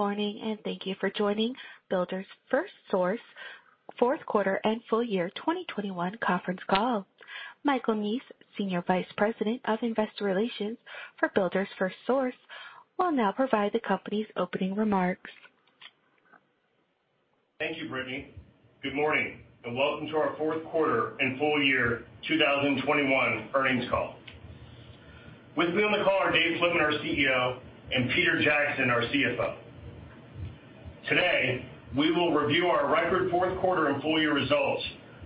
Good morning, and thank you for joining Builders FirstSource fourth quarter and full year 2021 conference call. Michael Neese, Senior Vice President of Investor Relations for Builders FirstSource, will now provide the company's opening remarks. Thank you, Brittany. Good morning, and welcome to our fourth quarter and full year 2021 earnings call. With me on the call are Dave Flitman, our CEO, and Peter Jackson, our CFO. Today, we will review our record fourth quarter and full year results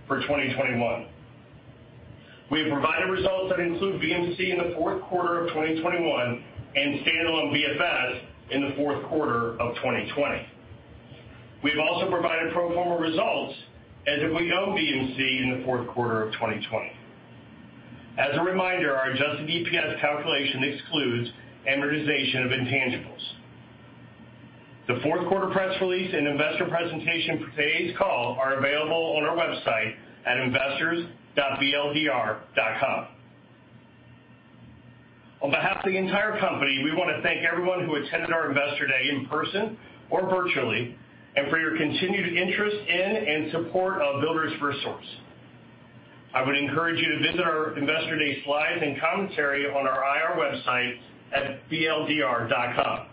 for 2021. We have provided results that include BMC in the fourth quarter of 2021 and standalone BFS in the fourth quarter of 2020. We've also provided pro forma results as if we own BMC in the fourth quarter of 2020. As a reminder, our adjusted EPS calculation excludes amortization of intangibles. The fourth-quarter press release and investor presentation for today's call are available on our website at investors.bldr.com. On behalf of the entire company, we wanna thank everyone who attended our Investor Day in person or virtually, and for your continued interest in and support of Builders FirstSource. I would encourage you to visit our Investor Day slides and commentary on our IR website at bldr.com.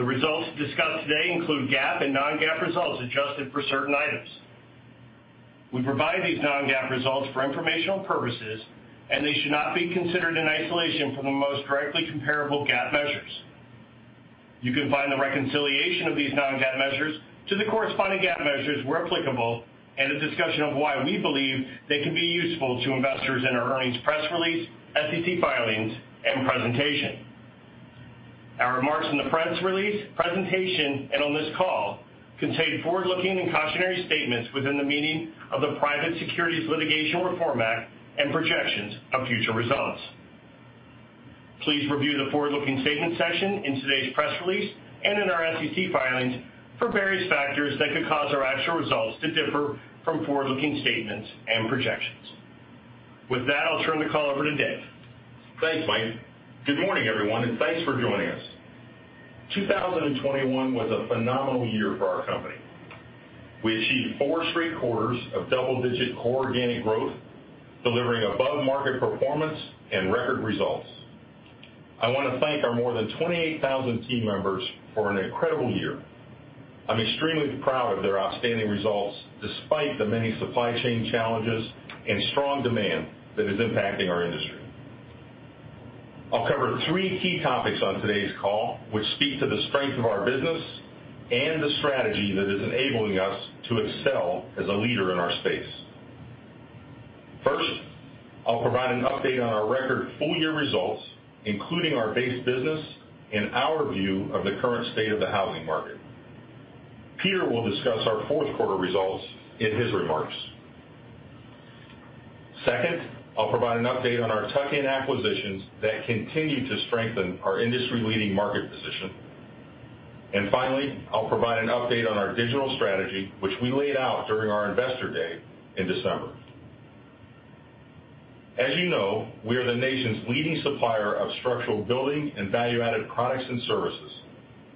The results discussed today include GAAP and non-GAAP results adjusted for certain items. We provide these non-GAAP results for informational purposes, and they should not be considered in isolation from the most directly comparable GAAP measures. You can find the reconciliation of these non-GAAP measures to the corresponding GAAP measures where applicable and a discussion of why we believe they can be useful to investors in our earnings press release, SEC filings, and presentation. Our remarks in the press release, presentation, and on this call contain forward-looking and cautionary statements within the meaning of the Private Securities Litigation Reform Act and projections of future results. Please review the forward-looking statement section in today's press release and in our SEC filings for various factors that could cause our actual results to differ from forward-looking statements and projections. With that, I'll turn the call over to Dave. Thanks, Mike. Good morning, everyone, and thanks for joining us. 2021 was a phenomenal year for our company. We achieved four straight quarters of double-digit core organic growth, delivering above-market performance and record results. I wanna thank our more than 28,000 team members for an incredible year. I'm extremely proud of their outstanding results despite the many supply chain challenges and strong demand that is impacting our industry. I'll cover three key topics on today's call, which speak to the strength of our business and the strategy that is enabling us to excel as a leader in our space. First, I'll provide an update on our record full-year results, including our base business and our view of the current state of the housing market. Peter will discuss our fourth-quarter results in his remarks. Second, I'll provide an update on our tuck-in acquisitions that continue to strengthen our industry-leading market position. Finally, I'll provide an update on our digital strategy, which we laid out during our Investor Day in December. As you know, we are the nation's leading supplier of structural building and value-added products and services,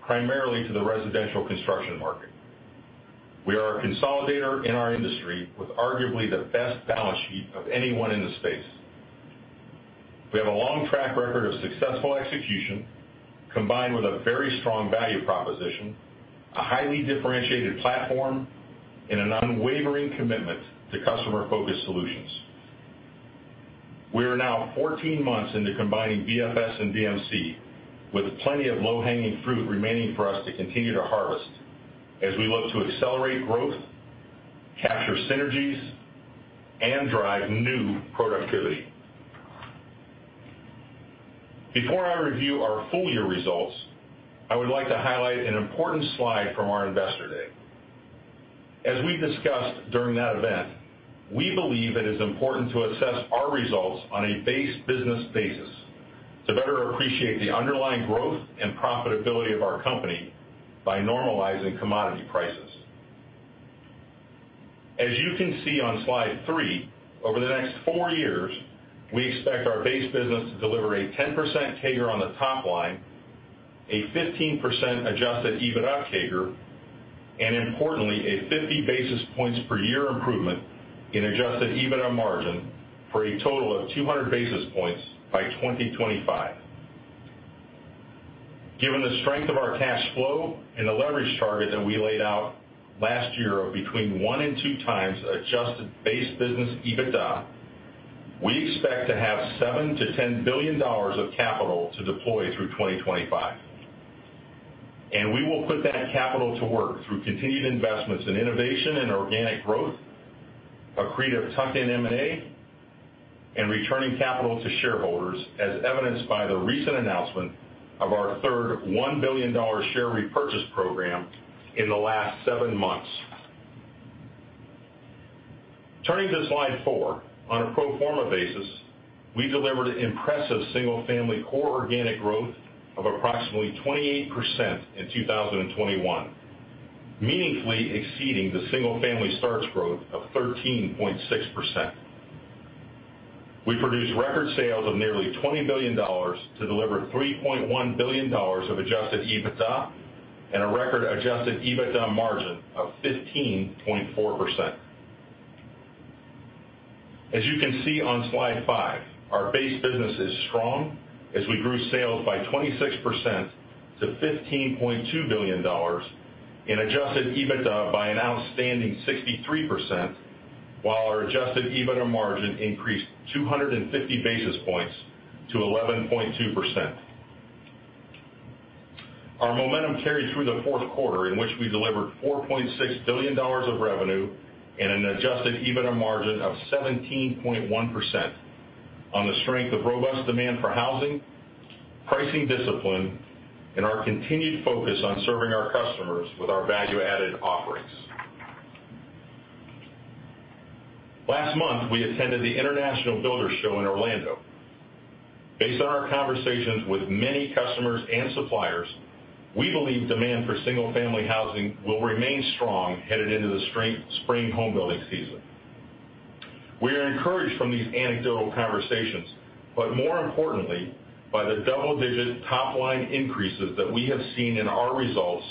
primarily to the residential construction market. We are a consolidator in our industry with arguably the best balance sheet of anyone in the space. We have a long track record of successful execution combined with a very strong value proposition, a highly differentiated platform, and an unwavering commitment to customer-focused solutions. We are now 14 months into combining BFS and BMC, with plenty of low-hanging fruit remaining for us to continue to harvest as we look to accelerate growth, capture synergies, and drive new productivity. Before I review our full-year results, I would like to highlight an important slide from our Investor Day. As we discussed during that event, we believe it is important to assess our results on a base business basis to better appreciate the underlying growth and profitability of our company by normalizing commodity prices. As you can see on slide three, over the next four years, we expect our base business to deliver a 10% CAGR on the top line, a 15% adjusted EBITDA CAGR, and importantly, a 50 basis points per year improvement in adjusted EBITDA margin for a total of 200 basis points by 2025. Given the strength of our cash flow and the leverage target that we laid out last year of between 1x and 2x adjusted base business EBITDA, we expect to have $7 billion-$10 billion of capital to deploy through 2025. We will put that capital to work through continued investments in innovation and organic growth, accretive tuck-in M&A, and returning capital to shareholders as evidenced by the recent announcement of our third $1 billion share repurchase program in the last seven months. Turning to slide four. On a pro forma basis, we delivered impressive single-family core organic growth of approximately 28% in 2021, meaningfully exceeding the single-family starts growth of 13.6%. We produced record sales of nearly $20 billion to deliver $3.1 billion of adjusted EBITDA and a record adjusted EBITDA margin of 15.4%. As you can see on slide 5, our base business is strong as we grew sales by 26% to $15.2 billion and adjusted EBITDA by an outstanding 63%, while our adjusted EBITDA margin increased 250 basis points to 11.2%. Our momentum carried through the fourth quarter, in which we delivered $4.6 billion of revenue and an adjusted EBITDA margin of 17.1% on the strength of robust demand for housing, pricing discipline, and our continued focus on serving our customers with our value-added offerings. Last month, we attended the International Builders' Show in Orlando. Based on our conversations with many customers and suppliers, we believe demand for single-family housing will remain strong headed into the spring home building season. We are encouraged from these anecdotal conversations, but more importantly, by the double-digit top-line increases that we have seen in our results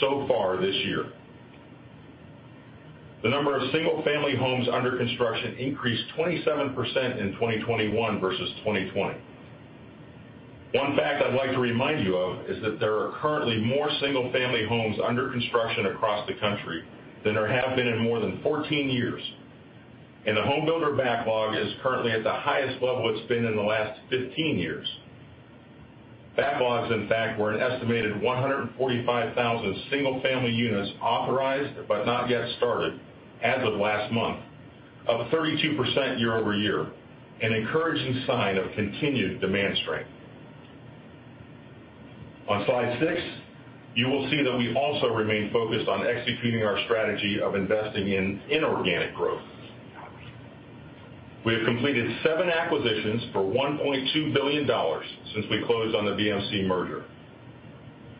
so far this year. The number of single-family homes under construction increased 27% in 2021 versus 2020. One fact I'd like to remind you of is that there are currently more single-family homes under construction across the country than there have been in more than 14 years. The home builder backlog is currently at the highest level it's been in the last 15 years. Backlogs, in fact, were an estimated 145,000 single-family units authorized but not yet started as of last month, up 32% year-over-year, an encouraging sign of continued demand strength. On slide six, you will see that we also remain focused on executing our strategy of investing in inorganic growth. We have completed seven acquisitions for $1.2 billion since we closed on the BMC merger,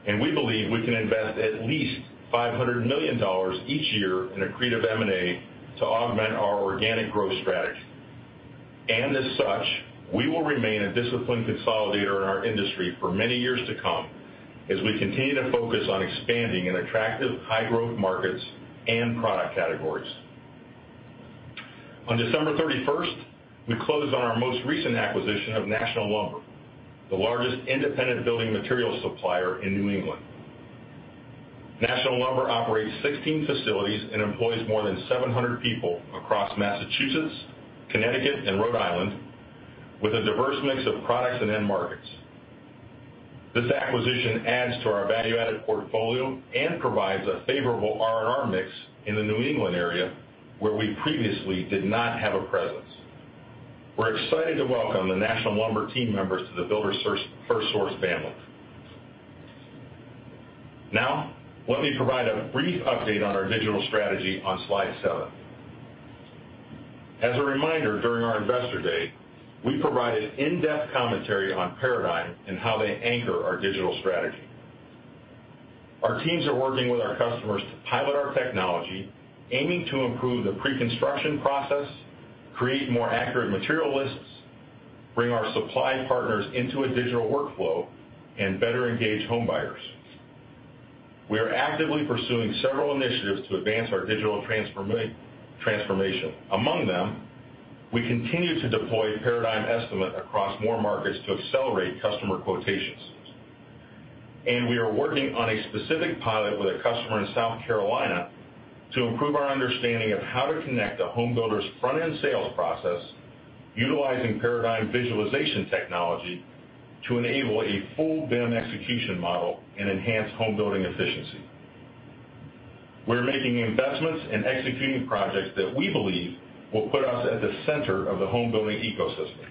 and we believe we can invest at least $500 million each year in accretive M&A to augment our organic growth strategy. As such, we will remain a disciplined consolidator in our industry for many years to come as we continue to focus on expanding in attractive, high-growth markets and product categories. On December 31, we closed on our most recent acquisition of National Lumber, the largest independent building material supplier in New England. National Lumber operates 16 facilities and employs more than 700 people across Massachusetts, Connecticut, and Rhode Island with a diverse mix of products and end markets. This acquisition adds to our value-added portfolio and provides a favorable R&R mix in the New England area where we previously did not have a presence. We're excited to welcome the National Lumber team members to the Builders FirstSource family. Now, let me provide a brief update on our digital strategy on slide seven. As a reminder, during our investor day, we provided in-depth commentary on Paradigm and how they anchor our digital strategy. Our teams are working with our customers to pilot our technology, aiming to improve the pre-construction process, create more accurate material lists, bring our supply partners into a digital workflow, and better engage home buyers. We are actively pursuing several initiatives to advance our digital transformation. Among them, we continue to deploy Paradigm Estimate across more markets to accelerate customer quotations. We are working on a specific pilot with a customer in South Carolina to improve our understanding of how to connect a home builder's front-end sales process utilizing Paradigm visualization technology to enable a full BIM execution model and enhance home building efficiency. We're making investments and executing projects that we believe will put us at the center of the home building ecosystem.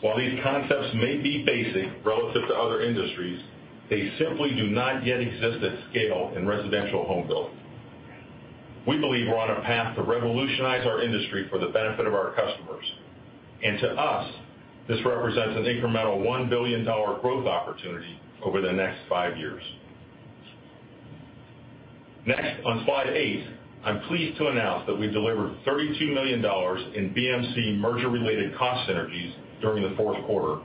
While these concepts may be basic relative to other industries, they simply do not yet exist at scale in residential home building. We believe we're on a path to revolutionize our industry for the benefit of our customers. To us, this represents an incremental $1 billion growth opportunity over the next five years. Next, on slide eight, I'm pleased to announce that we delivered $32 million in BMC merger-related cost synergies during the fourth quarter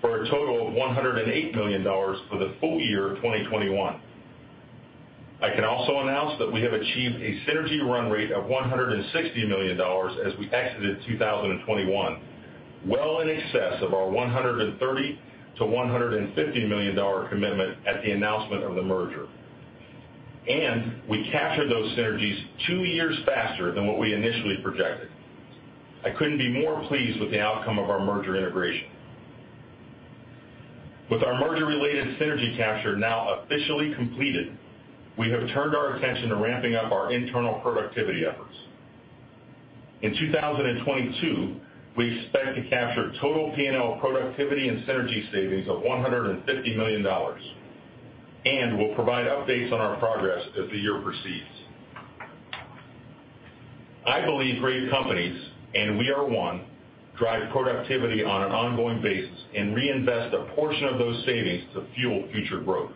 for a total of $108 million for the full year of 2021. I can also announce that we have achieved a synergy run rate of $160 million as we exited 2021, well in excess of our $130 million-$150 million commitment at the announcement of the merger. We captured those synergies two years faster than what we initially projected. I couldn't be more pleased with the outcome of our merger integration. With our merger-related synergy capture now officially completed, we have turned our attention to ramping up our internal productivity efforts. In 2022, we expect to capture total P&L productivity and synergy savings of $150 million, and we'll provide updates on our progress as the year proceeds. I believe great companies, and we are one, drive productivity on an ongoing basis and reinvest a portion of those savings to fuel future growth.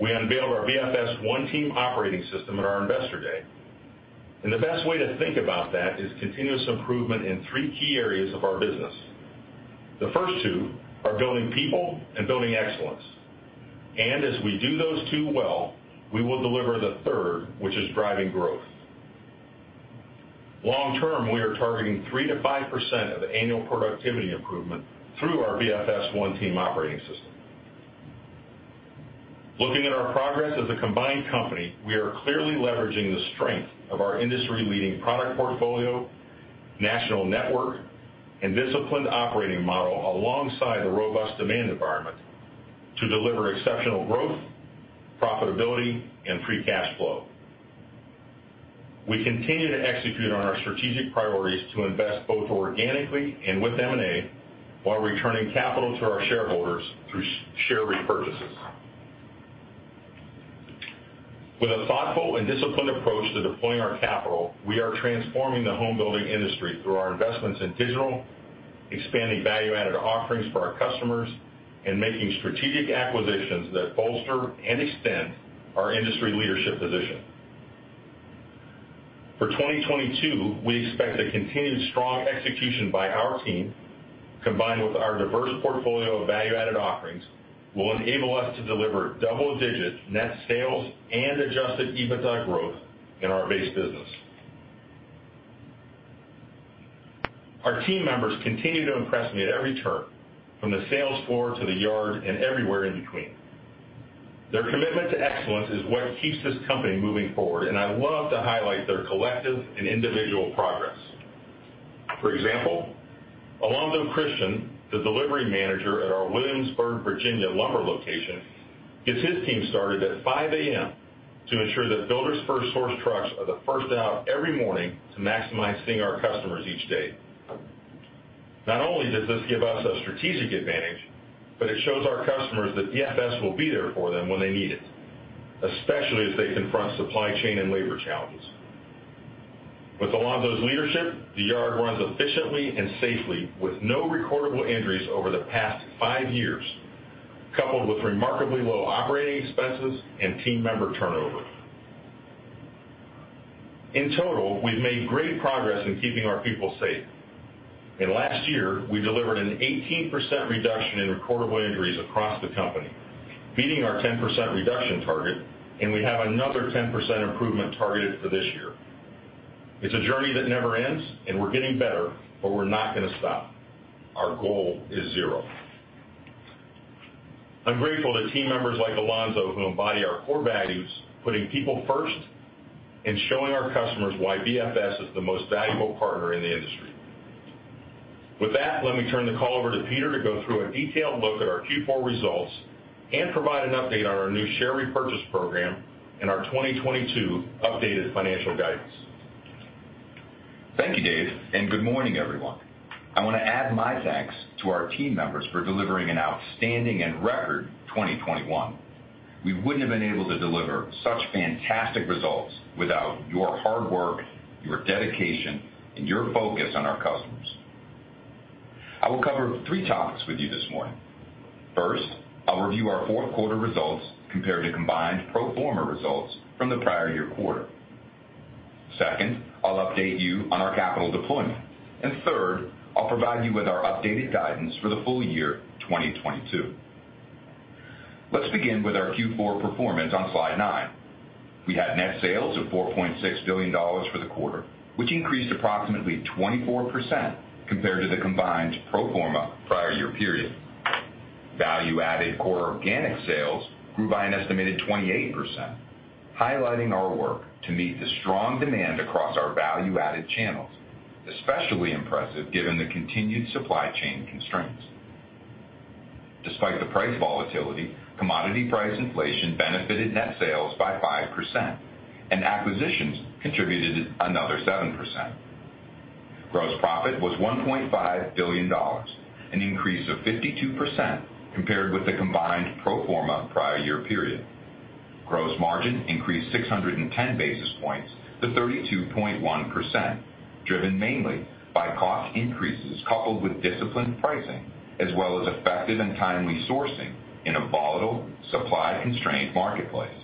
We unveiled our BFS One Team operating system at our investor day. The best way to think about that is continuous improvement in three key areas of our business. The first two are building people and building excellence. As we do those two well, we will deliver the third, which is driving growth. Long term, we are targeting 3%-5% of annual productivity improvement through our BFS One Team operating system. Looking at our progress as a combined company, we are clearly leveraging the strength of our industry-leading product portfolio, national network, and disciplined operating model alongside the robust demand environment to deliver exceptional growth, profitability, and free cash flow. We continue to execute on our strategic priorities to invest both organically and with M&A while returning capital to our shareholders through share repurchases. With a thoughtful and disciplined approach to deploying our capital, we are transforming the home building industry through our investments in digital, expanding value-added offerings for our customers, and making strategic acquisitions that bolster and extend our industry leadership position. For 2022, we expect a continued strong execution by our team, combined with our diverse portfolio of value-added offerings, will enable us to deliver double-digit net sales and adjusted EBITDA growth in our base business. Our team members continue to impress me at every turn, from the sales floor to the yard and everywhere in between. Their commitment to excellence is what keeps this company moving forward, and I love to highlight their collective and individual progress. For example, Alonzo Christian, Delivery Manager at our Williamsburg, Virginia lumber location, gets his team started at 5:00 A.M. to ensure that Builders FirstSource trucks are the first out every morning to maximize seeing our customers each day. Not only does this give us a strategic advantage, but it shows our customers that BFS will be there for them when they need it, especially as they confront supply chain and labor challenges. With Alonzo's leadership, the yard runs efficiently and safely with no recordable injuries over the past five years, coupled with remarkably low operating expenses and team member turnover. In total, we've made great progress in keeping our people safe. In last year, we delivered an 18% reduction in recordable injuries across the company, beating our 10% reduction target, and we have another 10% improvement targeted for this year. It's a journey that never ends, and we're getting better, but we're not gonna stop. Our goal is zero. I'm grateful to team members like Alonzo who embody our core values, putting people first and showing our customers why BFS is the most valuable partner in the industry. With that, let me turn the call over to Peter to go through a detailed look at our Q4 results and provide an update on our new share repurchase program and our 2022 updated financial guidance. Thank you, Dave, and good morning, everyone. I wanna add my thanks to our team members for delivering an outstanding and record 2021. We wouldn't have been able to deliver such fantastic results without your hard work, your dedication, and your focus on our customers. I will cover three topics with you this morning. First, I'll review our fourth quarter results compared to combined pro forma results from the prior year quarter. Second, I'll update you on our capital deployment. Third, I'll provide you with our updated guidance for the full year 2022. Let's begin with our Q4 performance on slide nine. We had net sales of $4.6 billion for the quarter, which increased approximately 24% compared to the combined pro forma prior year period. Value-added core organic sales grew by an estimated 28%, highlighting our work to meet the strong demand across our value-added channels, especially impressive given the continued supply chain constraints. Despite the price volatility, commodity price inflation benefited net sales by 5%, and acquisitions contributed another 7%. Gross profit was $1.5 billion, an increase of 52% compared with the combined pro forma prior year period. Gross margin increased 610 basis points to 32.1%, driven mainly by cost increases coupled with disciplined pricing as well as effective and timely sourcing in a volatile supply-constrained marketplace.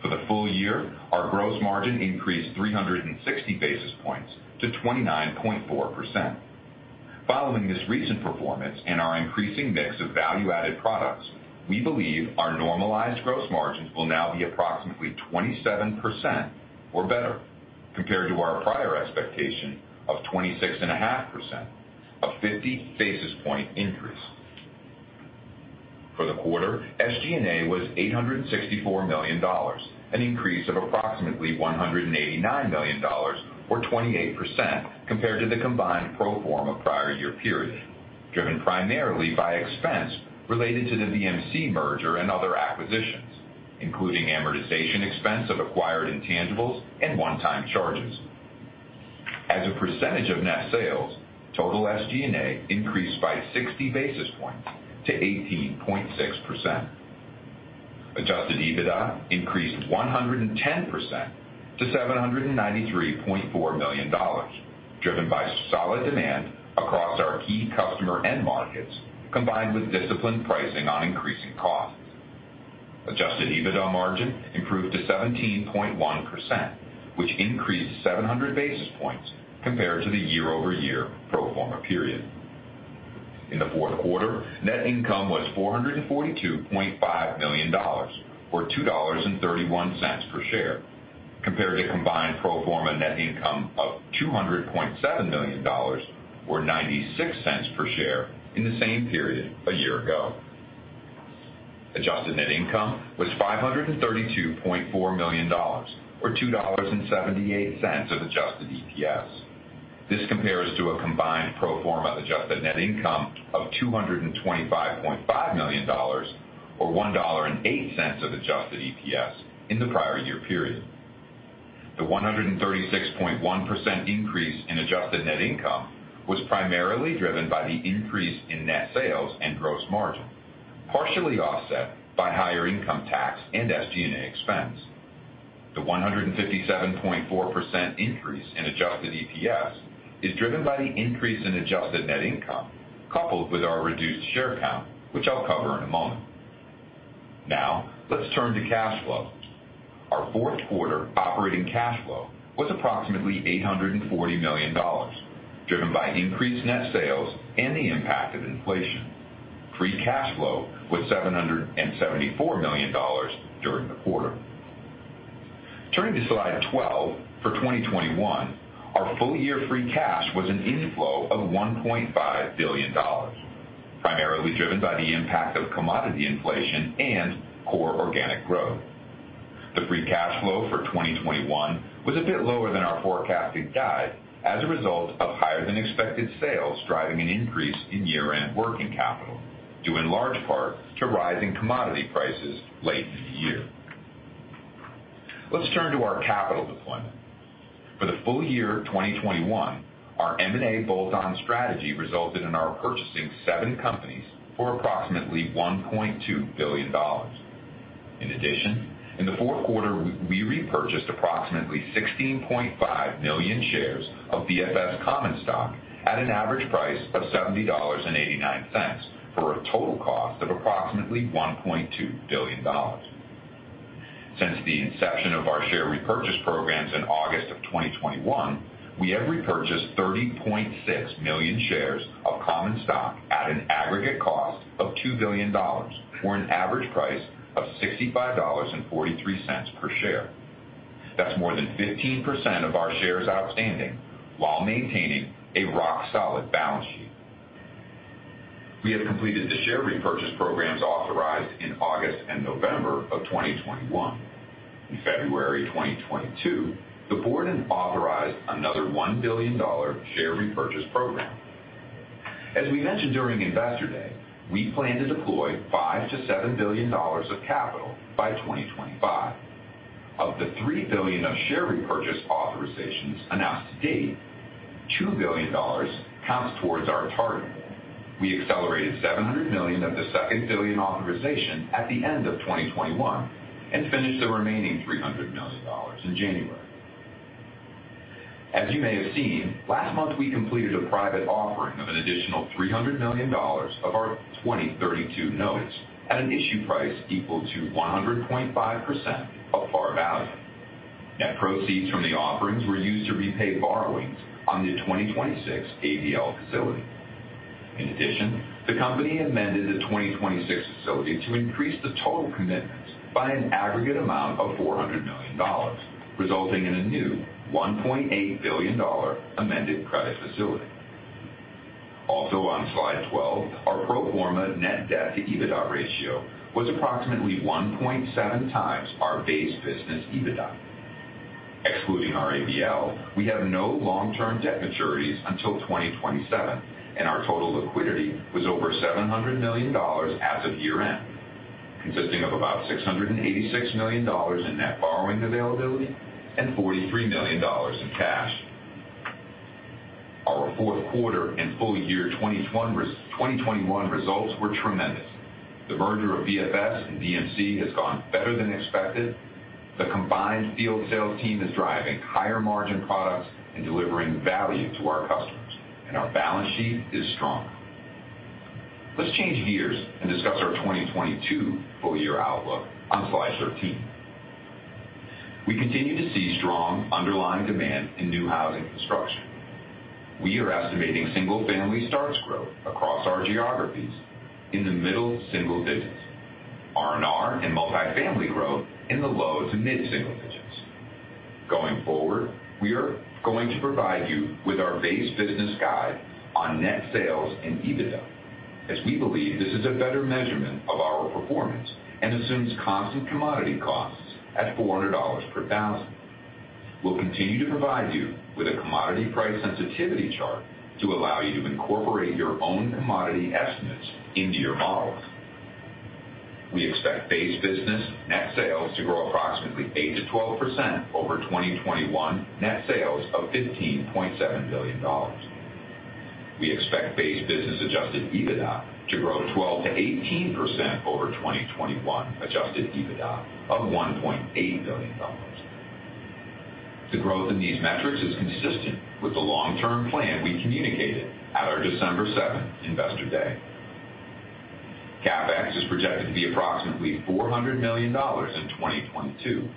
For the full year, our Gross margin increased 360 basis points to 29.4%. Following this recent performance and our increasing mix of value-added products, we believe our normalized gross margins will now be approximately 27% or better compared to our prior expectation of 26.5%, a 50 basis point increase. For the quarter, SG&A was $864 million, an increase of approximately $189 million or 28% compared to the combined pro forma prior year period, driven primarily by expense related to the BMC merger and other acquisitions, including amortization expense of acquired intangibles and one-time charges. As a percentage of net sales, total SG&A increased by 60 basis points to 18.6%. Adjusted EBITDA increased 110% to $793.4 million, driven by solid demand across our key customer end markets, combined with disciplined pricing on increasing costs. Adjusted EBITDA margin improved to 17.1%, which increased 700 basis points compared to the year-over-year pro forma period. In the fourth quarter, net income was $442.5 million, or $2.31 per share, compared to combined pro forma net income of $200.7 million or $0.96 per share in the same period a year ago. Adjusted net income was $532.4 million or $2.78 of adjusted EPS. This compares to a combined pro forma adjusted net income of $225.5 million, or $1.08 of adjusted EPS in the prior year period. The 136.1% increase in adjusted net income was primarily driven by the increase in net sales and gross margin, partially offset by higher income tax and SG&A expense. The 157.4% increase in adjusted EPS is driven by the increase in adjusted net income, coupled with our reduced share count, which I'll cover in a moment. Now let's turn to cash flow. Our fourth quarter operating cash flow was approximately $840 million, driven by increased net sales and the impact of inflation. Free cash flow was $774 million during the quarter. Turning to slide 12, for 2021, our full year free cash was an inflow of $1.5 billion, primarily driven by the impact of commodity inflation and core organic growth. The free cash flow for 2021 was a bit lower than our forecasted guide as a result of higher than expected sales, driving an increase in year-end working capital, due in large part to rising commodity prices late in the year. Let's turn to our capital deployment. For the full year 2021, our M&A bolt-on strategy resulted in our purchasing seven companies for approximately $1.2 billion. In addition, in the fourth quarter, we repurchased approximately 16.5 million shares of BFS common stock at an average price of $70.89, for a total cost of approximately $1.2 billion. Since the inception of our share repurchase programs in August 2021, we have repurchased 30.6 million shares of common stock at an aggregate cost of $2 billion for an average price of $65.43 per share. That's more than 15% of our shares outstanding while maintaining a rock-solid balance sheet. We have completed the share repurchase programs authorized in August and November 2021. In February 2022, the board authorized another $1 billion share repurchase program. As we mentioned during Investor Day, we plan to deploy $5 billion-$7 billion of capital by 2025. Of the $3 billion of share repurchase authorizations announced to date, $2 billion counts towards our target. We accelerated $700 million of the second billion authorization at the end of 2021 and finished the remaining $300 million in January. As you may have seen, last month we completed a private offering of an additional $300 million of our 2032 notes at an issue price equal to 100.5% of par value. Net proceeds from the offerings were used to repay borrowings on the 2026 ABL facility. In addition, the company amended the 2026 facility to increase the total commitments by an aggregate amount of $400 million, resulting in a new $1.8 billion amended credit facility. Also on slide 12, our pro forma net debt to EBITDA ratio was approximately 1.7 times our base business EBITDA. Excluding our ABL, we have no long-term debt maturities until 2027, and our total liquidity was over $700 million as of year-end, consisting of about $686 million in net borrowings availability and $43 million in cash. Our fourth quarter and full year 2021 results were tremendous. The merger of BFS and BMC has gone better than expected. The combined field sales team is driving higher margin products and delivering value to our customers, and our balance sheet is strong. Let's change gears and discuss our 2022 full year outlook on slide 13. We continue to see strong underlying demand in new housing construction. We are estimating single-family starts growth across our geographies in the middle single digits. R&R and multifamily growth in the low to mid-single digits. Going forward, we are going to provide you with our base business guide on net sales and EBITDA, as we believe this is a better measurement of our performance and assumes constant commodity costs at $400 per thousand. We'll continue to provide you with a commodity price sensitivity chart to allow you to incorporate your own commodity estimates into your models. We expect base business net sales to grow approximately 8%-12% over 2021 net sales of $15.7 billion. We expect base business adjusted EBITDA to grow 12%-18% over 2021 adjusted EBITDA of $1.8 billion. The growth in these metrics is consistent with the long-term plan we communicated at our December 7 Investor Day. CapEx is projected to be approximately $400 million in 2022.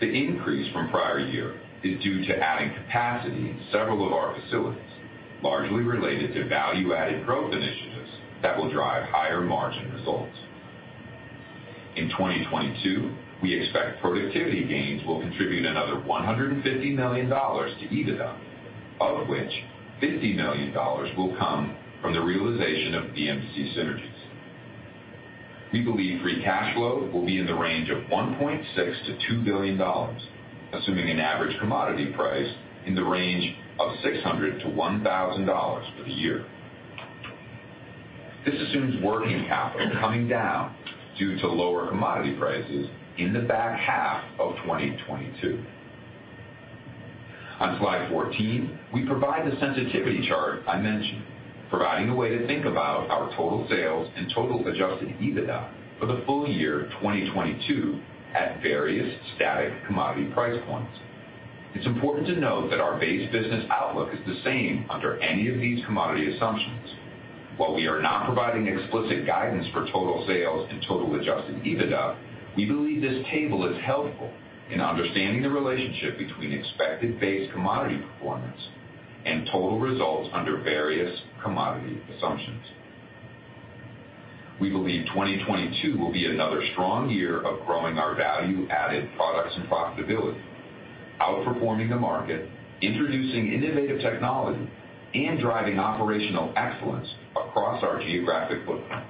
The increase from prior year is due to adding capacity in several of our facilities, largely related to value-added growth initiatives that will drive higher margin results. In 2022, we expect productivity gains will contribute another $150 million to EBITDA, of which $50 million will come from the realization of the BMC synergies. We believe free cash flow will be in the range of $1.6 billion-$2 billion, assuming an average commodity price in the range of $600-$1,000 for the year. This assumes working capital coming down due to lower commodity prices in the back half of 2022. On slide 14, we provide the sensitivity chart I mentioned, providing a way to think about our total sales and total adjusted EBITDA for the full year of 2022 at various static commodity price points. It's important to note that our base business outlook is the same under any of these commodity assumptions. While we are not providing explicit guidance for total sales and total adjusted EBITDA, we believe this table is helpful in understanding the relationship between expected base commodity performance and total results under various commodity assumptions. We believe 2022 will be another strong year of growing our value-added products and profitability, outperforming the market, introducing innovative technology, and driving operational excellence across our geographic footprint.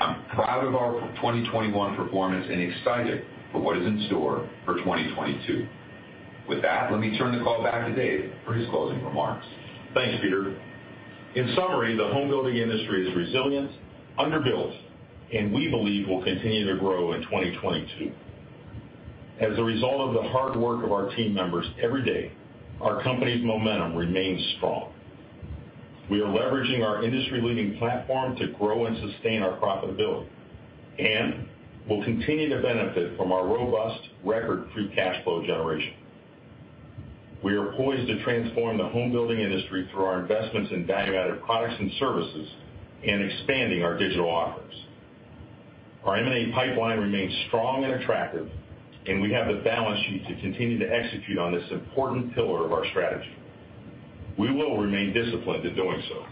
I'm proud of our 2021 performance and excited for what is in store for 2022. With that, let me turn the call back to Dave for his closing remarks. Thanks, Peter. In summary, the home building industry is resilient, underbuilt, and we believe will continue to grow in 2022. As a result of the hard work of our team members every day, our company's momentum remains strong. We are leveraging our industry-leading platform to grow and sustain our profitability, and we'll continue to benefit from our robust record free cash flow generation. We are poised to transform the home building industry through our investments in value-added products and services and expanding our digital offerings. Our M&A pipeline remains strong and attractive, and we have the balance sheet to continue to execute on this important pillar of our strategy. We will remain disciplined in doing so.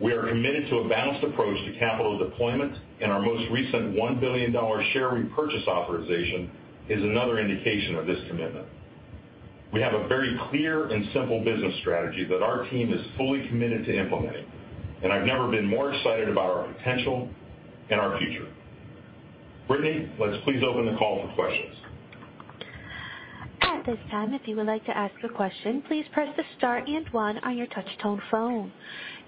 We are committed to a balanced approach to capital deployment, and our most recent $1 billion share repurchase authorization is another indication of this commitment. We have a very clear and simple business strategy that our team is fully committed to implementing, and I've never been more excited about our potential and our future. Brittany, let's please open the call for questions. At this time, if you would like to ask a question, please press the star and one on your touch tone phone.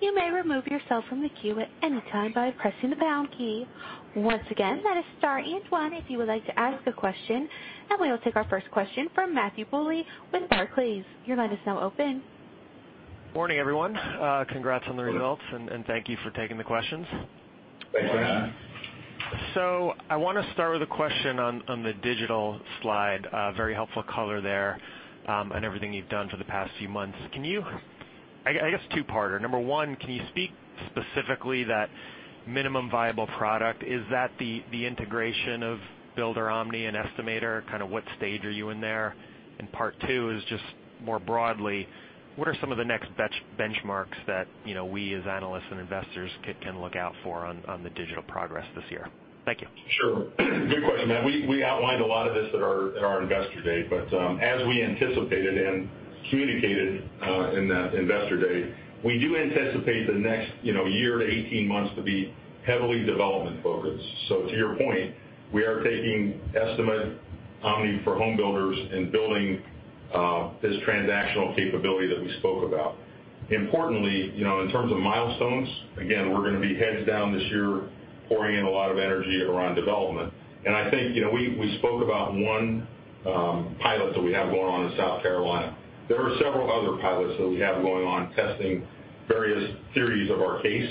You may remove yourself from the queue at any time by pressing the pound key. Once again, that is star and one if you would like to ask a question, and we will take our first question from Matthew Bouley with Barclays. Your line is now open. Morning, everyone. Congrats on the results. Good morning. Thank you for taking the questions. Thanks, Matt. Thanks. I wanna start with a question on the digital slide. Very helpful color there on everything you've done for the past few months. I guess two part. Number 1, can you speak specifically that minimum viable product, is that the integration of Builder Omni and Estimator, kinda what stage are you in there? And part two is just more broadly, what are some of the next benchmarks that, you know, we as analysts and investors can look out for on the digital progress this year? Thank you. Sure. Good question, Matt. We outlined a lot of this at our Investor Day, but as we anticipated and communicated in that Investor Day, we do anticipate the next year to 18 months to be heavily development-focused. To your point, we are taking Estimate Omni for home builders and building this transactional capability that we spoke about. Importantly, in terms of milestones, again, we're gonna be heads down this year, pouring in a lot of energy around development. I think we spoke about one pilot that we have going on in South Carolina. There are several other pilots that we have going on, testing various theories of our case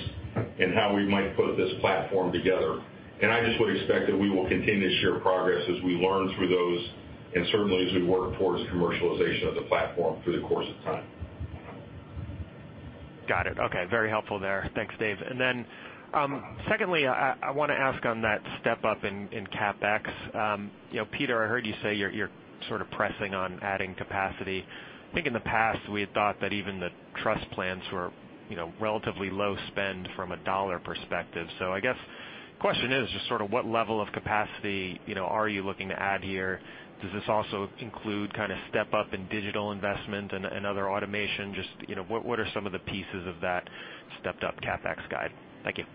and how we might put this platform together. I just would expect that we will continue to share progress as we learn through those, and certainly as we work towards commercialization of the platform through the course of time. Got it. Okay. Very helpful there. Thanks, Dave. Then, secondly, I wanna ask on that step up in CapEx. You know, Peter, I heard you say you're sort of pressing on adding capacity. I think in the past, we had thought that even the truss plans were, you know, relatively low spend from a dollar perspective. I guess question is just sort of what level of capacity, you know, are you looking to add here? Does this also include kinda step up in digital investment and other automation? You know, what are some of the pieces of that stepped up CapEx guide? Thank you.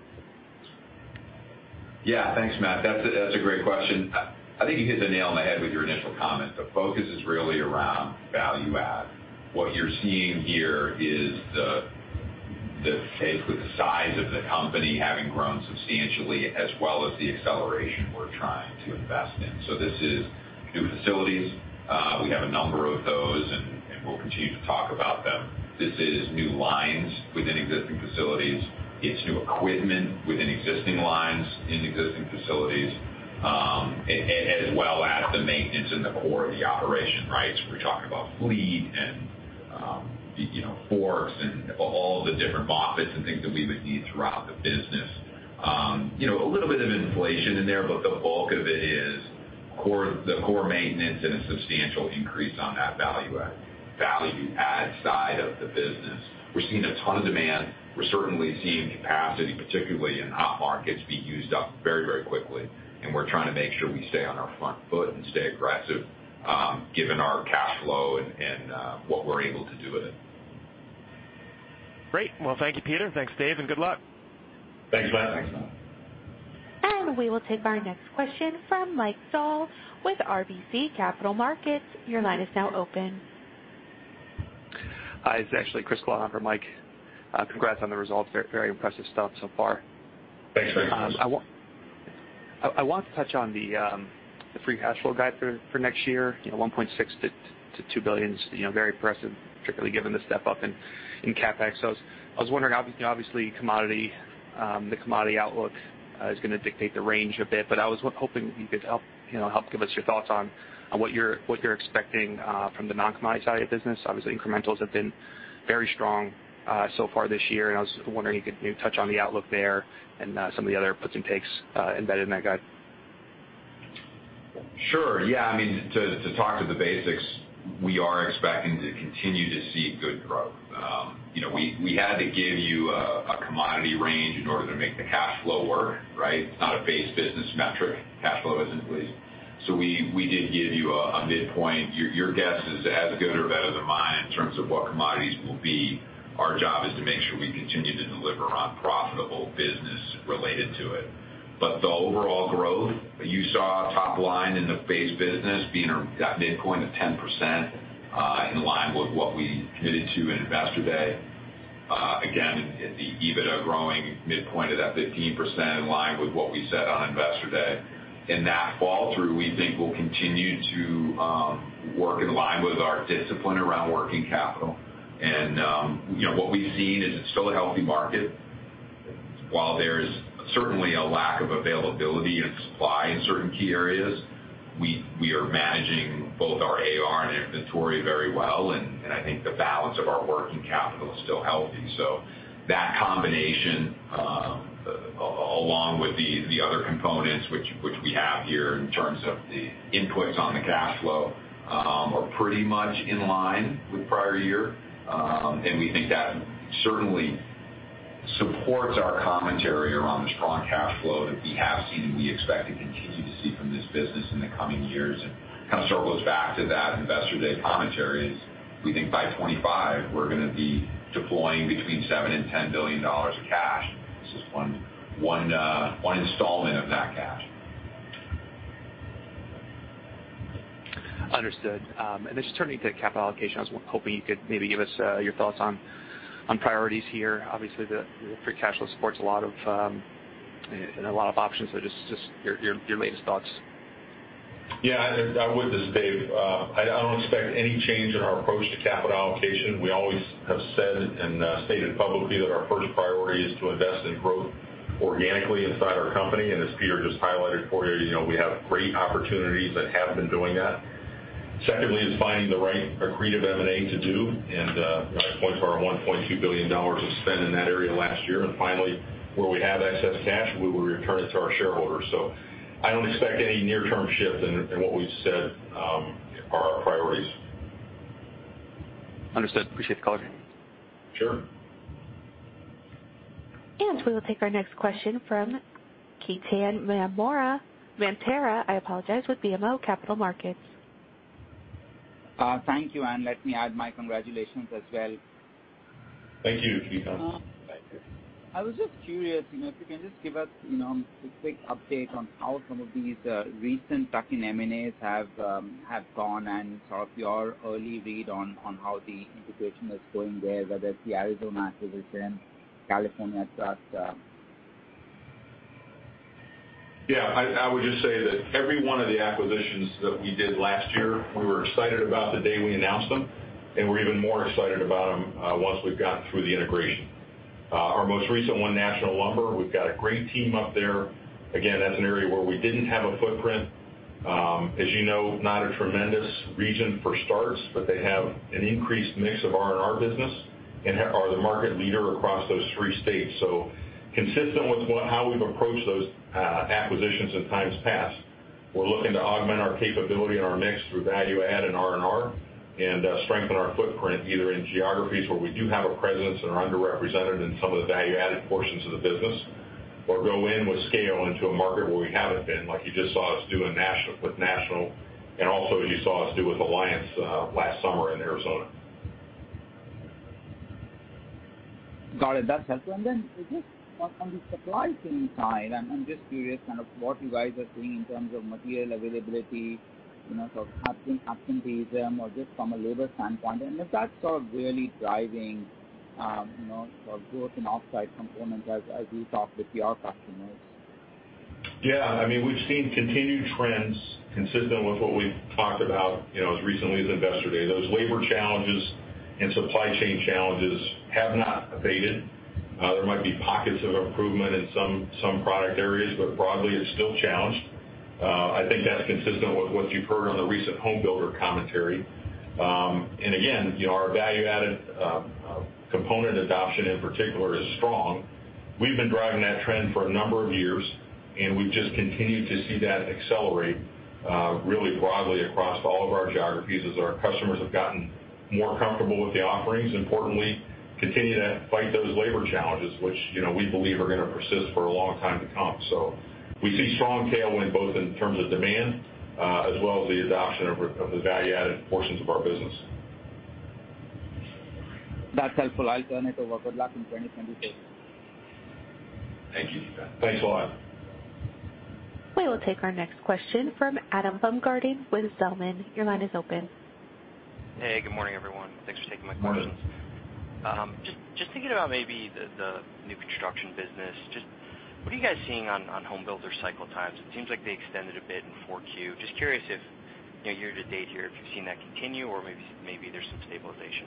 Yeah. Thanks, Matt. That's a great question. I think you hit the nail on the head with your initial comment. The focus is really around value add. What you're seeing here is basically the size of the company having grown substantially as well as the acceleration we're trying to invest in. This is new facilities. We have a number of those and we'll continue to talk about them. This is new lines within existing facilities. It's new equipment within existing lines in existing facilities, as well as the maintenance in the core of the operation, right? We're talking about fleet and, you know, forks and all the different mop heads and things that we would need throughout the business. You know, a little bit of inflation in there, but the bulk of it is core, the core maintenance and a substantial increase on that value-add side of the business. We're seeing a ton of demand. We're certainly seeing capacity, particularly in hot markets, be used up very, very quickly, and we're trying to make sure we stay on our front foot and stay aggressive, given our cash flow and what we're able to do with it. Great. Well, thank you, Peter. Thanks, Dave, and good luck. Thanks, Matt. Thanks, Matt. We will take our next question from Michael Dahl with RBC Capital Markets. Your line is now open. Hi, it's actually Chris Glenn for Mike. Congrats on the results. Very, very impressive stuff so far. Thanks very much. I want to touch on the free cash flow guide for next year. You know, $1.6 billion-$2 billion is, you know, very impressive, particularly given the step up in CapEx. I was wondering obviously commodity, the commodity outlook is gonna dictate the range a bit, but I was hoping you could help, you know, help give us your thoughts on what you're expecting from the non-commodity side of the business. Obviously, incrementals have been very strong so far this year, and I was wondering if you could maybe touch on the outlook there and some of the other puts and takes embedded in that guide. Sure. Yeah. I mean, to talk to the basics, we are expecting to continue to see good growth. You know, we had to give you a commodity range in order to make the cash flow work, right? It's not a base business metric. Cash flow isn't. We did give you a midpoint. Your guess is as good or better than mine in terms of what commodities will be. Our job is to make sure we continue to deliver on profitable business related to it. The overall growth you saw top line in the base business being at midpoint of 10%, in line with what we committed to in Investor Day. Again, the EBITDA growing midpoint at that 15% in line with what we said on Investor Day. That fall through, we think will continue to work in line with our discipline around working capital. You know, what we've seen is it's still a healthy market. While there's certainly a lack of availability and supply in certain key areas, we are managing both our AR and inventory very well, and I think the balance of our working capital is still healthy. That combination, along with the other components which we have here in terms of the inputs on the cash flow, are pretty much in line with prior year. We think that certainly supports our commentary around the strong cash flow that we have seen and we expect to continue to see from this business in the coming years. Kind of circles back to that Investor Day commentary is we think by 2025, we're gonna be deploying between $7 billion and $10 billion of cash. This is one installment of that cash. Understood. Just turning to capital allocation, I was hoping you could maybe give us your thoughts on priorities here. Obviously, the free cash flow supports a lot of options. Just your latest thoughts. Yeah, I would just, Dave, I don't expect any change in our approach to capital allocation. We always have said and stated publicly that our first priority is to invest in growth organically inside our company. As Peter just highlighted for you know, we have great opportunities and have been doing that. Secondly is finding the right accretive M&A to do, and I point to our $1.2 billion of spend in that area last year. Finally, where we have excess cash, we will return it to our shareholders. I don't expect any near-term shift in what we've said are our priorities. Understood. Appreciate the color. Sure. We will take our next question from Ketan Mamtora, I apologize, with BMO Capital Markets. Thank you, and let me add my congratulations as well. Thank you, Ketan. Thank you. I was just curious, you know, if you can just give us, you know, a quick update on how some of these recent tuck-in M&As have gone and sort of your early read on how the integration is going there, whether it's the Arizona acquisition, California tuck. Yeah. I would just say that every one of the acquisitions that we did last year, we were excited about the day we announced them, and we're even more excited about them once we've gotten through the integration. Our most recent one, National Lumber, we've got a great team up there. Again, that's an area where we didn't have a footprint. As you know, not a tremendous region for starts, but they have an increased mix of R&R business and are the market leader across those three states. Consistent with how we've approached those acquisitions in times past, we're looking to augment our capability and our mix through value add and R&R and strengthen our footprint either in geographies where we do have a presence and are underrepresented in some of the value-added portions of the business or go in with scale into a market where we haven't been, like you just saw us do with National, and also as you saw us do with Alliance last summer in Arizona. Got it. That's helpful. Just on the supply chain side, I'm just curious kind of what you guys are seeing in terms of material availability, you know, sort of absenteeism or just from a labor standpoint, and if that's sort of really driving, you know, sort of growth in offsite components as we talk with your customers. Yeah. I mean, we've seen continued trends consistent with what we've talked about, you know, as recently as Investor Day. Those labor challenges and supply chain challenges have not abated. There might be pockets of improvement in some product areas, but broadly it's still challenged. I think that's consistent with what you've heard on the recent home builder commentary. Again, you know, our value-added component adoption in particular is strong. We've been driving that trend for a number of years, and we've just continued to see that accelerate really broadly across all of our geographies as our customers have gotten more comfortable with the offerings, importantly continue to fight those labor challenges, which, you know, we believe are gonna persist for a long time to come. We see strong tailwind both in terms of demand, as well as the adoption of the value-added portions of our business. That's helpful. I'll turn it over. Good luck in 2022. Thank you. Thanks a lot. We will take our next question from Adam Baumgarten with Zelman. Your line is open. Hey, good morning, everyone. Thanks for taking my questions. Morning. Just thinking about maybe the new construction business. Just what are you guys seeing on home builder cycle times? It seems like they extended a bit in 4Q. Just curious if, you know, year to date here, if you've seen that continue or maybe there's some stabilization.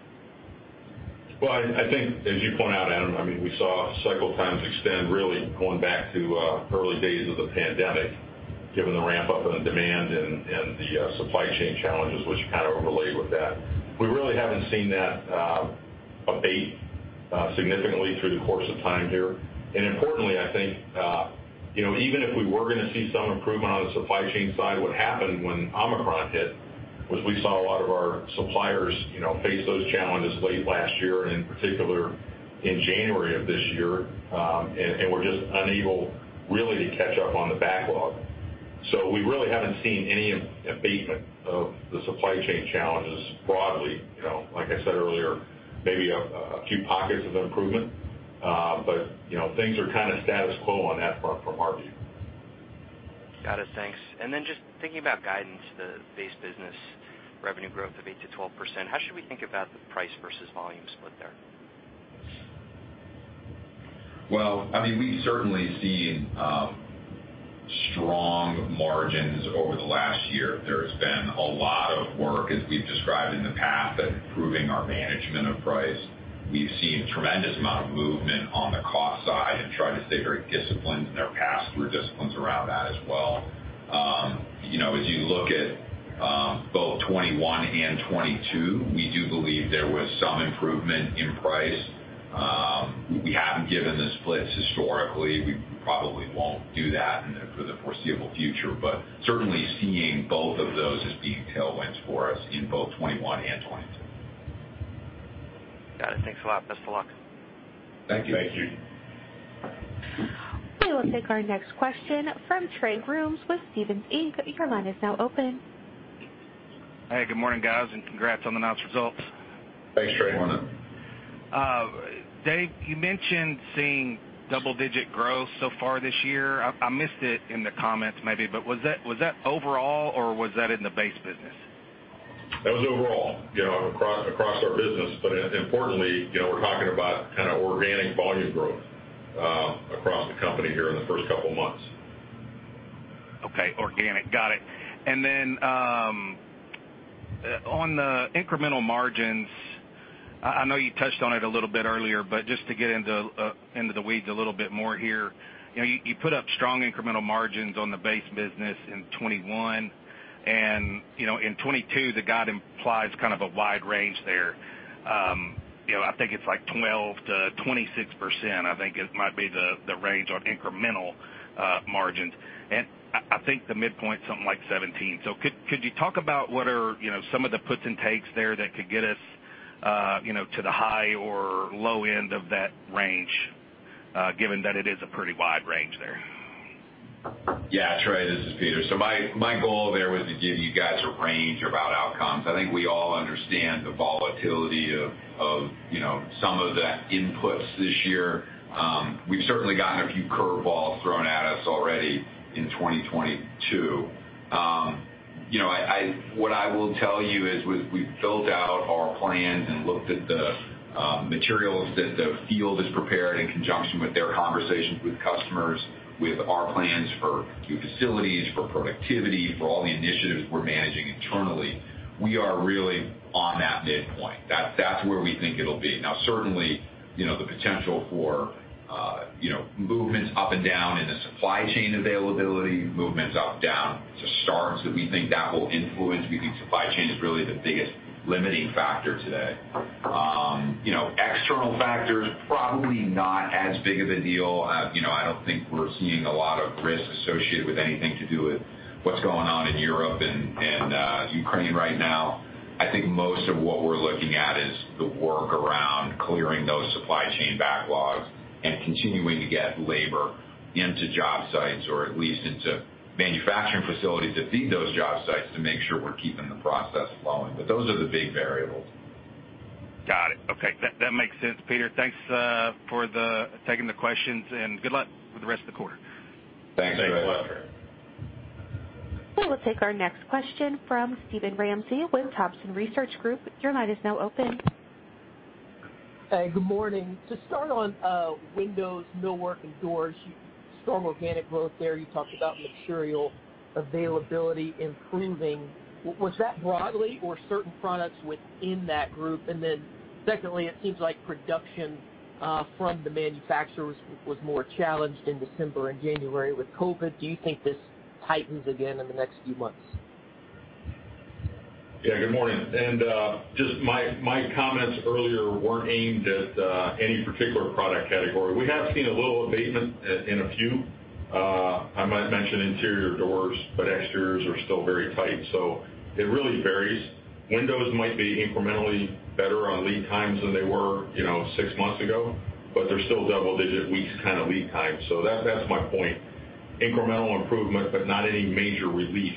Well, I think as you point out, Adam, I mean, we saw cycle times extend really going back to early days of the pandemic, given the ramp up in the demand and the supply chain challenges which kind of overlaid with that. We really haven't seen that abate significantly through the course of time here. Importantly, I think, you know, even if we were gonna see some improvement on the supply chain side, what happened when Omicron hit was we saw a lot of our suppliers, you know, face those challenges late last year, and in particular in January of this year, and were just unable really to catch up on the backlog. We really haven't seen any abatement of the supply chain challenges broadly. You know, like I said earlier, maybe a few pockets of improvement, but you know, things are kinda status quo on that front from our view. Got it. Thanks. Just thinking about guidance, the base business revenue growth of 8%-12%, how should we think about the price versus volume split there? Well, I mean, we've certainly seen strong margins over the last year. There's been a lot of work, as we've described in the past, at improving our management of price. We've seen tremendous amount of movement on the cost side and tried to stay very disciplined in their pass-through disciplines around that as well. You know, as you look at both 2021 and 2022, we do believe there was some improvement in price. We haven't given the splits historically. We probably won't do that for the foreseeable future. Certainly seeing both of those as being tailwinds for us in both 2021 and 2022. Got it. Thanks a lot. Best of luck. Thank you. Thank you. We will take our next question from Trey Grooms with Stephens Inc. Your line is now open. Hey, good morning, guys, and congrats on the announced results. Thanks, Trey. Morning. Dave, you mentioned seeing double-digit growth so far this year. I missed it in the comments maybe, but was that overall or in the base business? That was overall, you know, across our business. Importantly, you know, we're talking about kinda organic volume growth across the company here in the first couple months. Okay, organic. Got it. Then, on the incremental margins, I know you touched on it a little bit earlier, but just to get into the weeds a little bit more here. You know, you put up strong incremental margins on the base business in 2021, and, you know, in 2022, the guide implies kind of a wide range there. You know, I think it's like 12%-26%, I think it might be the range on incremental margins. I think the midpoint's something like 17%. Could you talk about what are, you know, some of the puts and takes there that could get us, you know, to the high or low end of that range, given that it is a pretty wide range there? Yeah, Trey, this is Peter. My goal there was to give you guys a range about outcomes. I think we all understand the volatility of you know, some of the inputs this year. We've certainly gotten a few curve balls thrown at us already in 2022. You know, what I will tell you is we've built out our plans and looked at the materials that the field has prepared in conjunction with their conversations with customers, with our plans for new facilities, for productivity, for all the initiatives we're managing internally. We are really on that midpoint. That's where we think it'll be. Now certainly, you know, the potential for you know, movements up and down in the supply chain availability, movements up and down to starts, we think that will influence. We think supply chain is really the biggest limiting factor today. You know, external factors probably not as big of a deal. You know, I don't think we're seeing a lot of risk associated with anything to do with what's going on in Europe and Ukraine right now. I think most of what we're looking at is the work around clearing those supply chain backlogs and continuing to get labor into job sites or at least into manufacturing facilities that feed those job sites to make sure we're keeping the process flowing. Those are the big variables. Got it. Okay, that makes sense. Peter, thanks for taking the questions, and good luck with the rest of the quarter. Thanks, Trey. We'll take our next question from Steven Ramsey with Thompson Research Group. Your line is now open. Hey, good morning. To start on windows, millwork and doors, strong organic growth there. You talked about material availability improving. Was that broadly or certain products within that group? Secondly, it seems like production from the manufacturers was more challenged in December and January with COVID. Do you think this tightens again in the next few months? Yeah. Good morning. Just my comments earlier weren't aimed at any particular product category. We have seen a little abatement in a few. I might mention interior doors, but exteriors are still very tight, so it really varies. Windows might be incrementally better on lead times than they were, you know, six months ago, but they're still double-digit weeks kind of lead time. That's my point. Incremental improvement, but not any major relief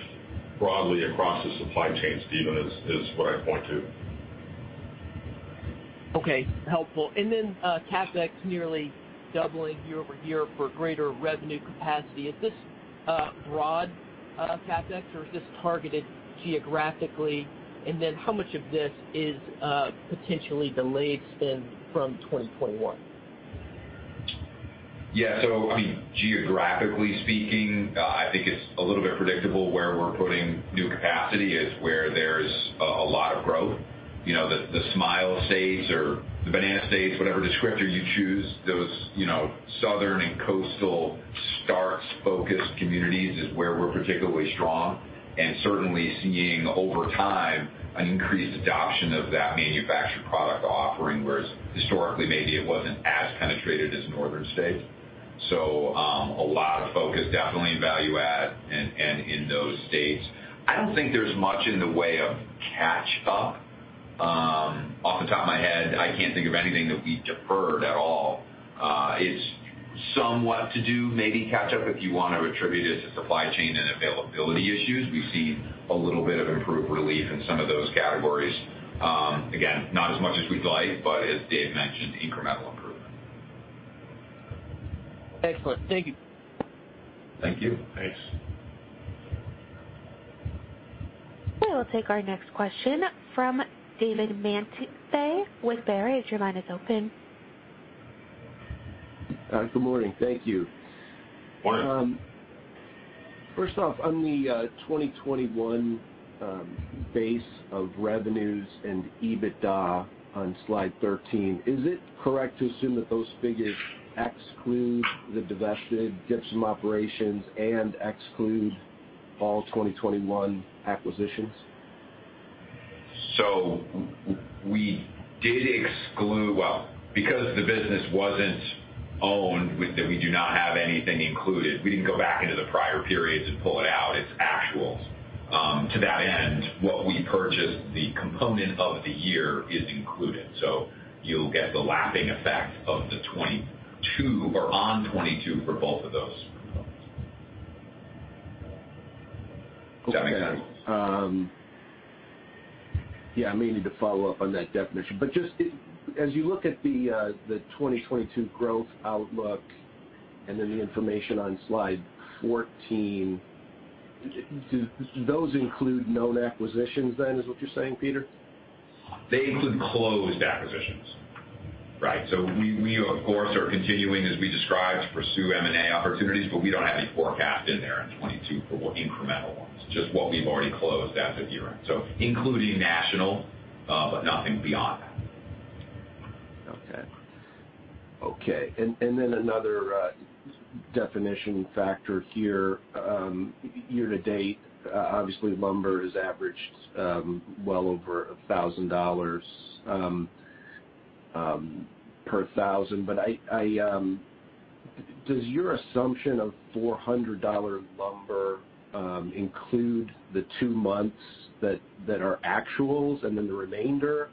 broadly across the supply chain, Steven, is what I'd point to. Okay. Helpful. CapEx nearly doubling year-over-year for greater revenue capacity. Is this broad CapEx, or is this targeted geographically? How much of this is potentially delayed spend from 2021? Yeah. I mean, geographically speaking, I think it's a little bit predictable where we're putting new capacity. It's where there's a lot of growth. You know, the Smile States or the Banana States, whatever descriptor you choose, those you know, southern and coastal starts-focused communities is where we're particularly strong and certainly seeing over time an increased adoption of that manufactured product offering, whereas historically, maybe it wasn't as penetrated as northern states. A lot of focus definitely in value add and in those states. I don't think there's much in the way of catch-up. Off the top of my head, I can't think of anything that we deferred at all. It's somewhat to do, maybe catch up if you wanna attribute it to supply chain and availability issues. We've seen a little bit of improved relief in some of those categories. Again, not as much as we'd like, but as Dave mentioned, incremental improvement. Excellent. Thank you. Thank you. Thanks. We'll take our next question from David Manthey with Baird. Your line is open. Good morning. Thank you. Morning. First off, on the 2021 base of revenues and EBITDA on slide 13, is it correct to assume that those figures exclude the divested Gibson operations and exclude all 2021 acquisitions? We did exclude. Well, because the business wasn't owned, we then do not have anything included. We didn't go back into the prior periods and pull it out. It's actuals. To that end, what we purchased, the component of the year is included. You'll get the lapping effect of 2022 or on 2022 for both of those. Okay. Yeah, I may need to follow up on that definition. Just as you look at the 2022 growth outlook and then the information on slide 14, do those include known acquisitions then, is what you're saying, Peter? They include closed acquisitions, right? We of course are continuing, as we described, to pursue M&A opportunities, but we don't have any forecast in there in 2022 for incremental ones, just what we've already closed as of year-end. Including National, but nothing beyond that. Okay. Then another definition factor here. Year to date, obviously lumber has averaged well over $1,000 per thousand. Does your assumption of $400 million lumber include the two months that are actuals and then the remainder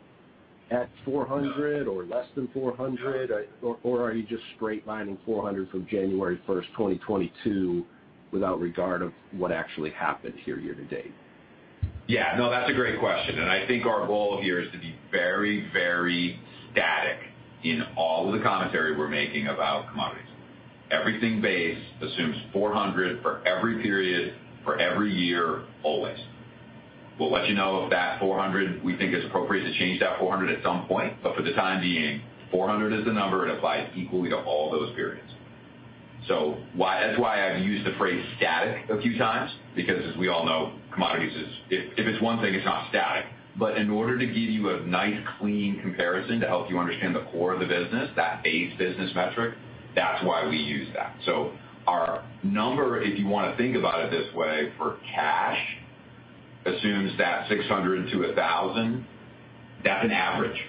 at $400 million or less than $400 million? Or are you just straight lining $400 million from January 1, 2022, without regard of what actually happened here year to date? Yeah. No, that's a great question. I think our goal here is to be very, very static in all of the commentary we're making about commodities. Everything base assumes $400 million for every period, for every year, always. We'll let you know if that $400 million, we think it's appropriate to change that $400 million at some point. For the time being, $400 million is the number. It applies equally to all those periods. Why-- that's why I've used the phrase static a few times, because as we all know, commodities is. If it's one thing, it's not static. In order to give you a nice clean comparison to help you understand the core of the business, that base business metric, that's why we use that. Our number, if you wanna think about it this way, for cash assumes that $600-$1,000, that's an average.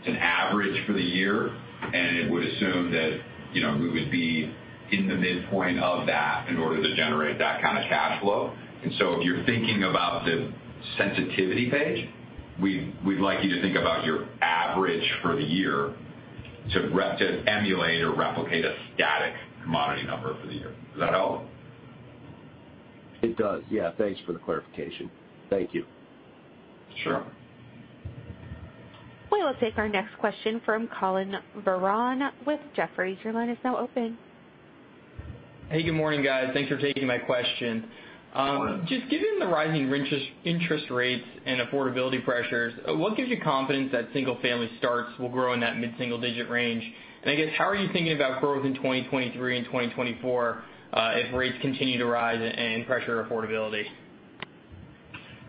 It's an average for the year, and it would assume that, you know, we would be in the midpoint of that in order to generate that kind of cash flow. If you're thinking about the sensitivity page, we'd like you to think about your average for the year to emulate or replicate a static commodity number for the year. Does that help? It does. Yeah. Thanks for the clarification. Thank you. Sure. We'll take our next question from Collin Verron with Jefferies. Your line is now open. Hey, good morning, guys. Thanks for taking my question. Good morning. Just given the rising interest rates and affordability pressures, what gives you confidence that single-family starts will grow in that mid-single digit range? I guess, how are you thinking about growth in 2023 and 2024, if rates continue to rise and pressure affordability?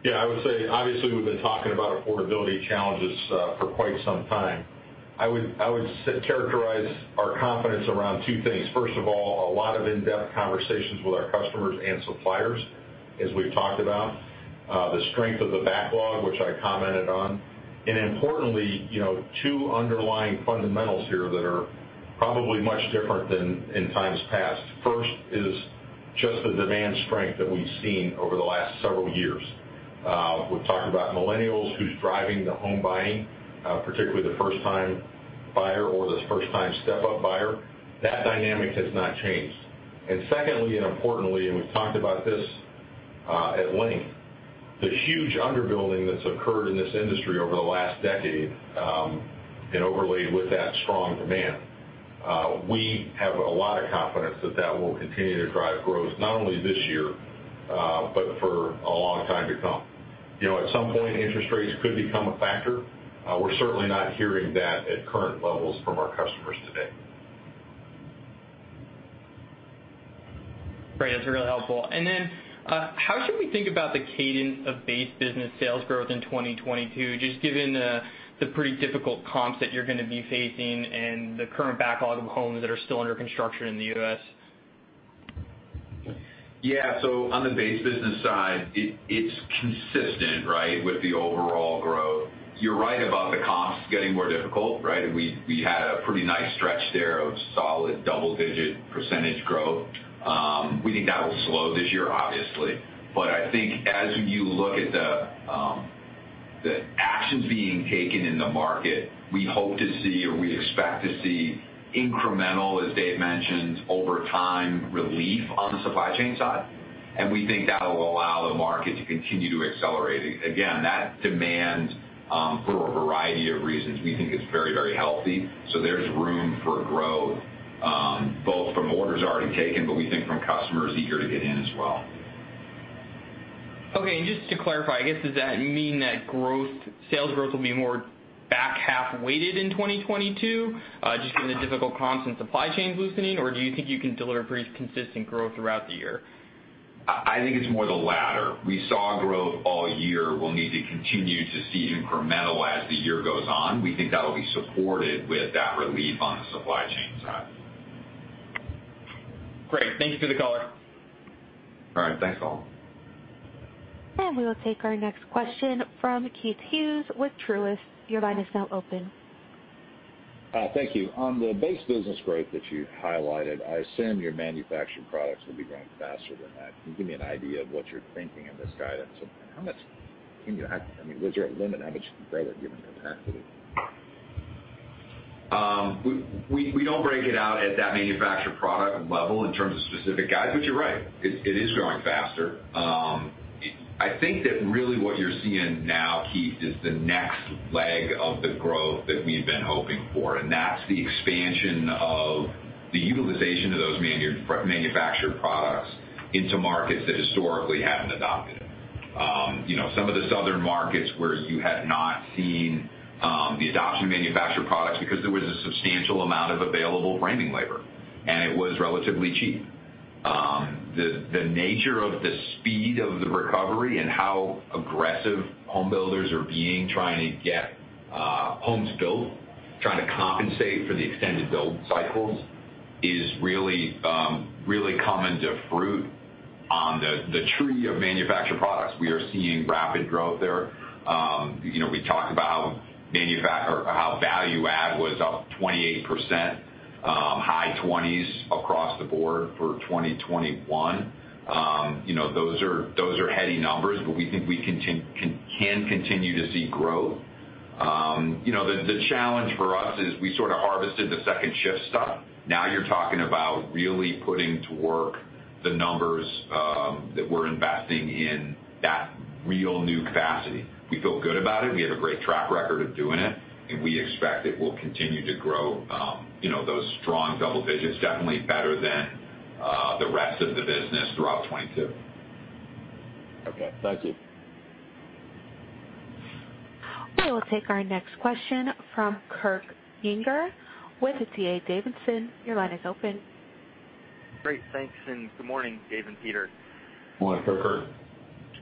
Yeah, I would say, obviously, we've been talking about affordability challenges for quite some time. I would characterize our confidence around two things. First of all, a lot of in-depth conversations with our customers and suppliers, as we've talked about. The strength of the backlog, which I commented on. And importantly, you know, two underlying fundamentals here that are probably much different than in times past. First is just the demand strength that we've seen over the last several years. We've talked about millennials, who's driving the home buying, particularly the first-time buyer or the first-time step-up buyer. That dynamic has not changed. And secondly, and importantly, and we've talked about this at length, the huge underbuilding that's occurred in this industry over the last decade, and overlaid with that strong demand. We have a lot of confidence that that will continue to drive growth, not only this year, but for a long time to come. You know, at some point, interest rates could become a factor. We're certainly not hearing that at current levels from our customers today. Great. That's really helpful. How should we think about the cadence of base business sales growth in 2022, just given the pretty difficult comps that you're gonna be facing and the current backlog of homes that are still under construction in the U.S.? Yeah. On the base business side, it's consistent, right, with the overall growth. You're right about the comps getting more difficult, right? We had a pretty nice stretch there of solid double-digit percentage growth. We think that will slow this year, obviously. I think as you look at the actions being taken in the market, we hope to see or we expect to see incremental, as Dave mentioned, over time, relief on the supply chain side. We think that'll allow the market to continue to accelerate. Again, that demand, for a variety of reasons, we think is very, very healthy. There's room for growth, both from orders already taken, but we think from customers eager to get in as well. Okay. Just to clarify, I guess, does that mean that growth, sales growth will be more back-half weighted in 2022, just given the difficult comps and supply chains loosening, or do you think you can deliver pretty consistent growth throughout the year? I think it's more the latter. We saw growth all year. We'll need to continue to see incremental as the year goes on. We think that'll be supported with that relief on the supply chain side. Great. Thanks for the color. All right. Thanks, Collin. We will take our next question from Keith Hughes with Truist. Your line is now open. Thank you. On the base business growth that you highlighted, I assume your manufactured products will be growing faster than that. Can you give me an idea of what you're thinking in this guidance? I mean, what's your limit, how much you can grow that given the capacity? We don't break it out at that manufactured product level in terms of specific guides. You're right. It is growing faster. I think that really is what you're seeing now, Keith, is the next leg of the growth that we've been hoping for, and that's the expansion of the utilization of those manufactured products into markets that historically haven't adopted it. You know, some of the Southern markets where you had not seen the adoption of manufactured products because there was a substantial amount of available framing labor, and it was relatively cheap. The nature of the speed of the recovery and how aggressive homebuilders are being, trying to get homes built, trying to compensate for the extended build cycles, is really coming to fruit on the tree of manufactured products. We are seeing rapid growth there. You know, we talked about how value add was up 28%, high 20s% across the board for 2021. You know, those are heady numbers, but we think we can continue to see growth. You know, the challenge for us is we sorta harvested the second shift stuff. Now you're talking about really putting to work the numbers that we're investing in that real new capacity. We feel good about it. We have a great track record of doing it, and we expect it will continue to grow, you know, those strong double digits, definitely better than the rest of the business throughout 2022. Okay. Thank you. We will take our next question from Kurt Yinger with D.A. Davidson. Your line is open. Great. Thanks, and good morning, Dave and Peter. Morning, Kurt.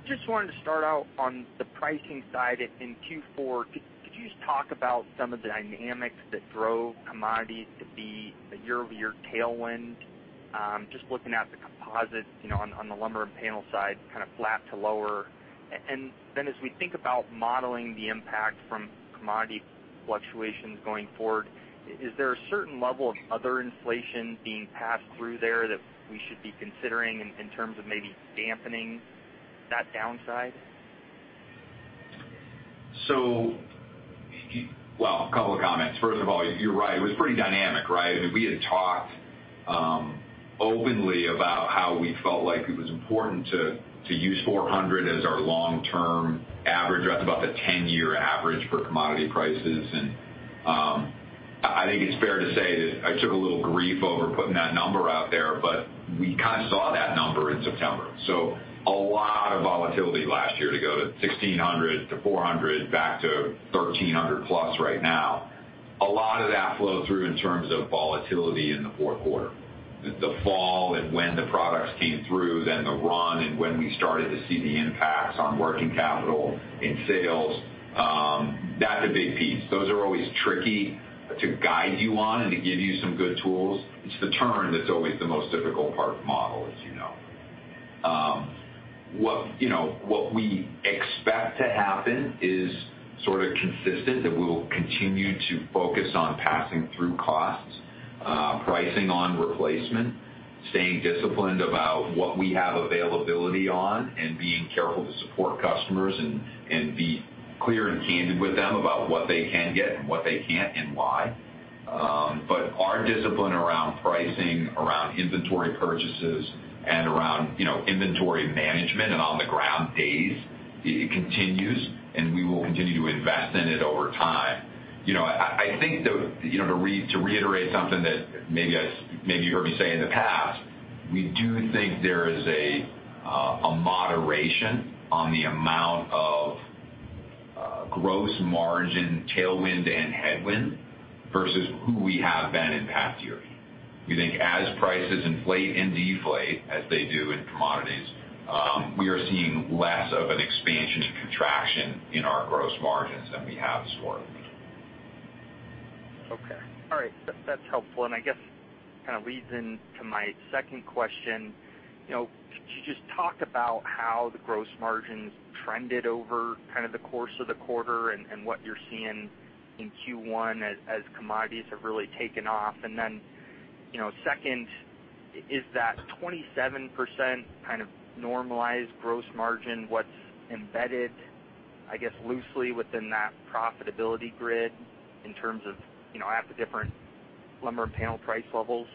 Just wanted to start out on the pricing side in Q4. Could you just talk about some of the dynamics that drove commodities to be a year-over-year tailwind? Just looking at the composite, you know, on the lumber and panel side, kinda flat to lower. And then as we think about modeling the impact from commodity fluctuations going forward, is there a certain level of other inflation being passed through there that we should be considering in terms of maybe dampening that downside? Well, a couple of things. First of all, you're right. It was pretty dynamic, right? I mean, we had talked openly about how we felt like it was important to use $400 million as our long-term average. That's about the ten-year average for commodity prices. I think it's fair to say that I took a little grief over putting that number out there, but we kinda saw that number in September. A lot of volatility last year to go to 1,600, to 400, back to 1,300+ right now. A lot of that flowed through in terms of volatility in the fourth quarter. The fall and when the products came through, then the run and when we started to see the impacts on working capital in sales, that's a big piece. Those are always tricky to guide you on and to give you some good tools. It's the turn that's always the most difficult part to model, as you know. You know, what we expect to happen is sort of consistent, that we will continue to focus on passing through costs, pricing on replacement, staying disciplined about what we have availability on, and being careful to support customers and be clear and candid with them about what they can get and what they can't, and why. Our discipline around pricing, around inventory purchases, and around, you know, inventory management and on-the-ground days, it continues, and we will continue to invest in it over time. I think you know, to reiterate something that maybe you heard me say in the past, we do think there is a moderation on the amount of gross margin tailwind and headwind versus who we have been in past years. We think as prices inflate and deflate, as they do in commodities, we are seeing less of an expansion and contraction in our gross margins than we have historically. Okay. All right. That's helpful, and I guess kinda leads into my second question. You know, could you just talk about how the gross margins trended over kind of the course of the quarter and what you're seeing in Q1 as commodities have really taken off? You know, second, is that 27% kind of normalized gross margin, what's embedded, I guess, loosely within that profitability grid in terms of, you know, at the different lumber and panel price levels?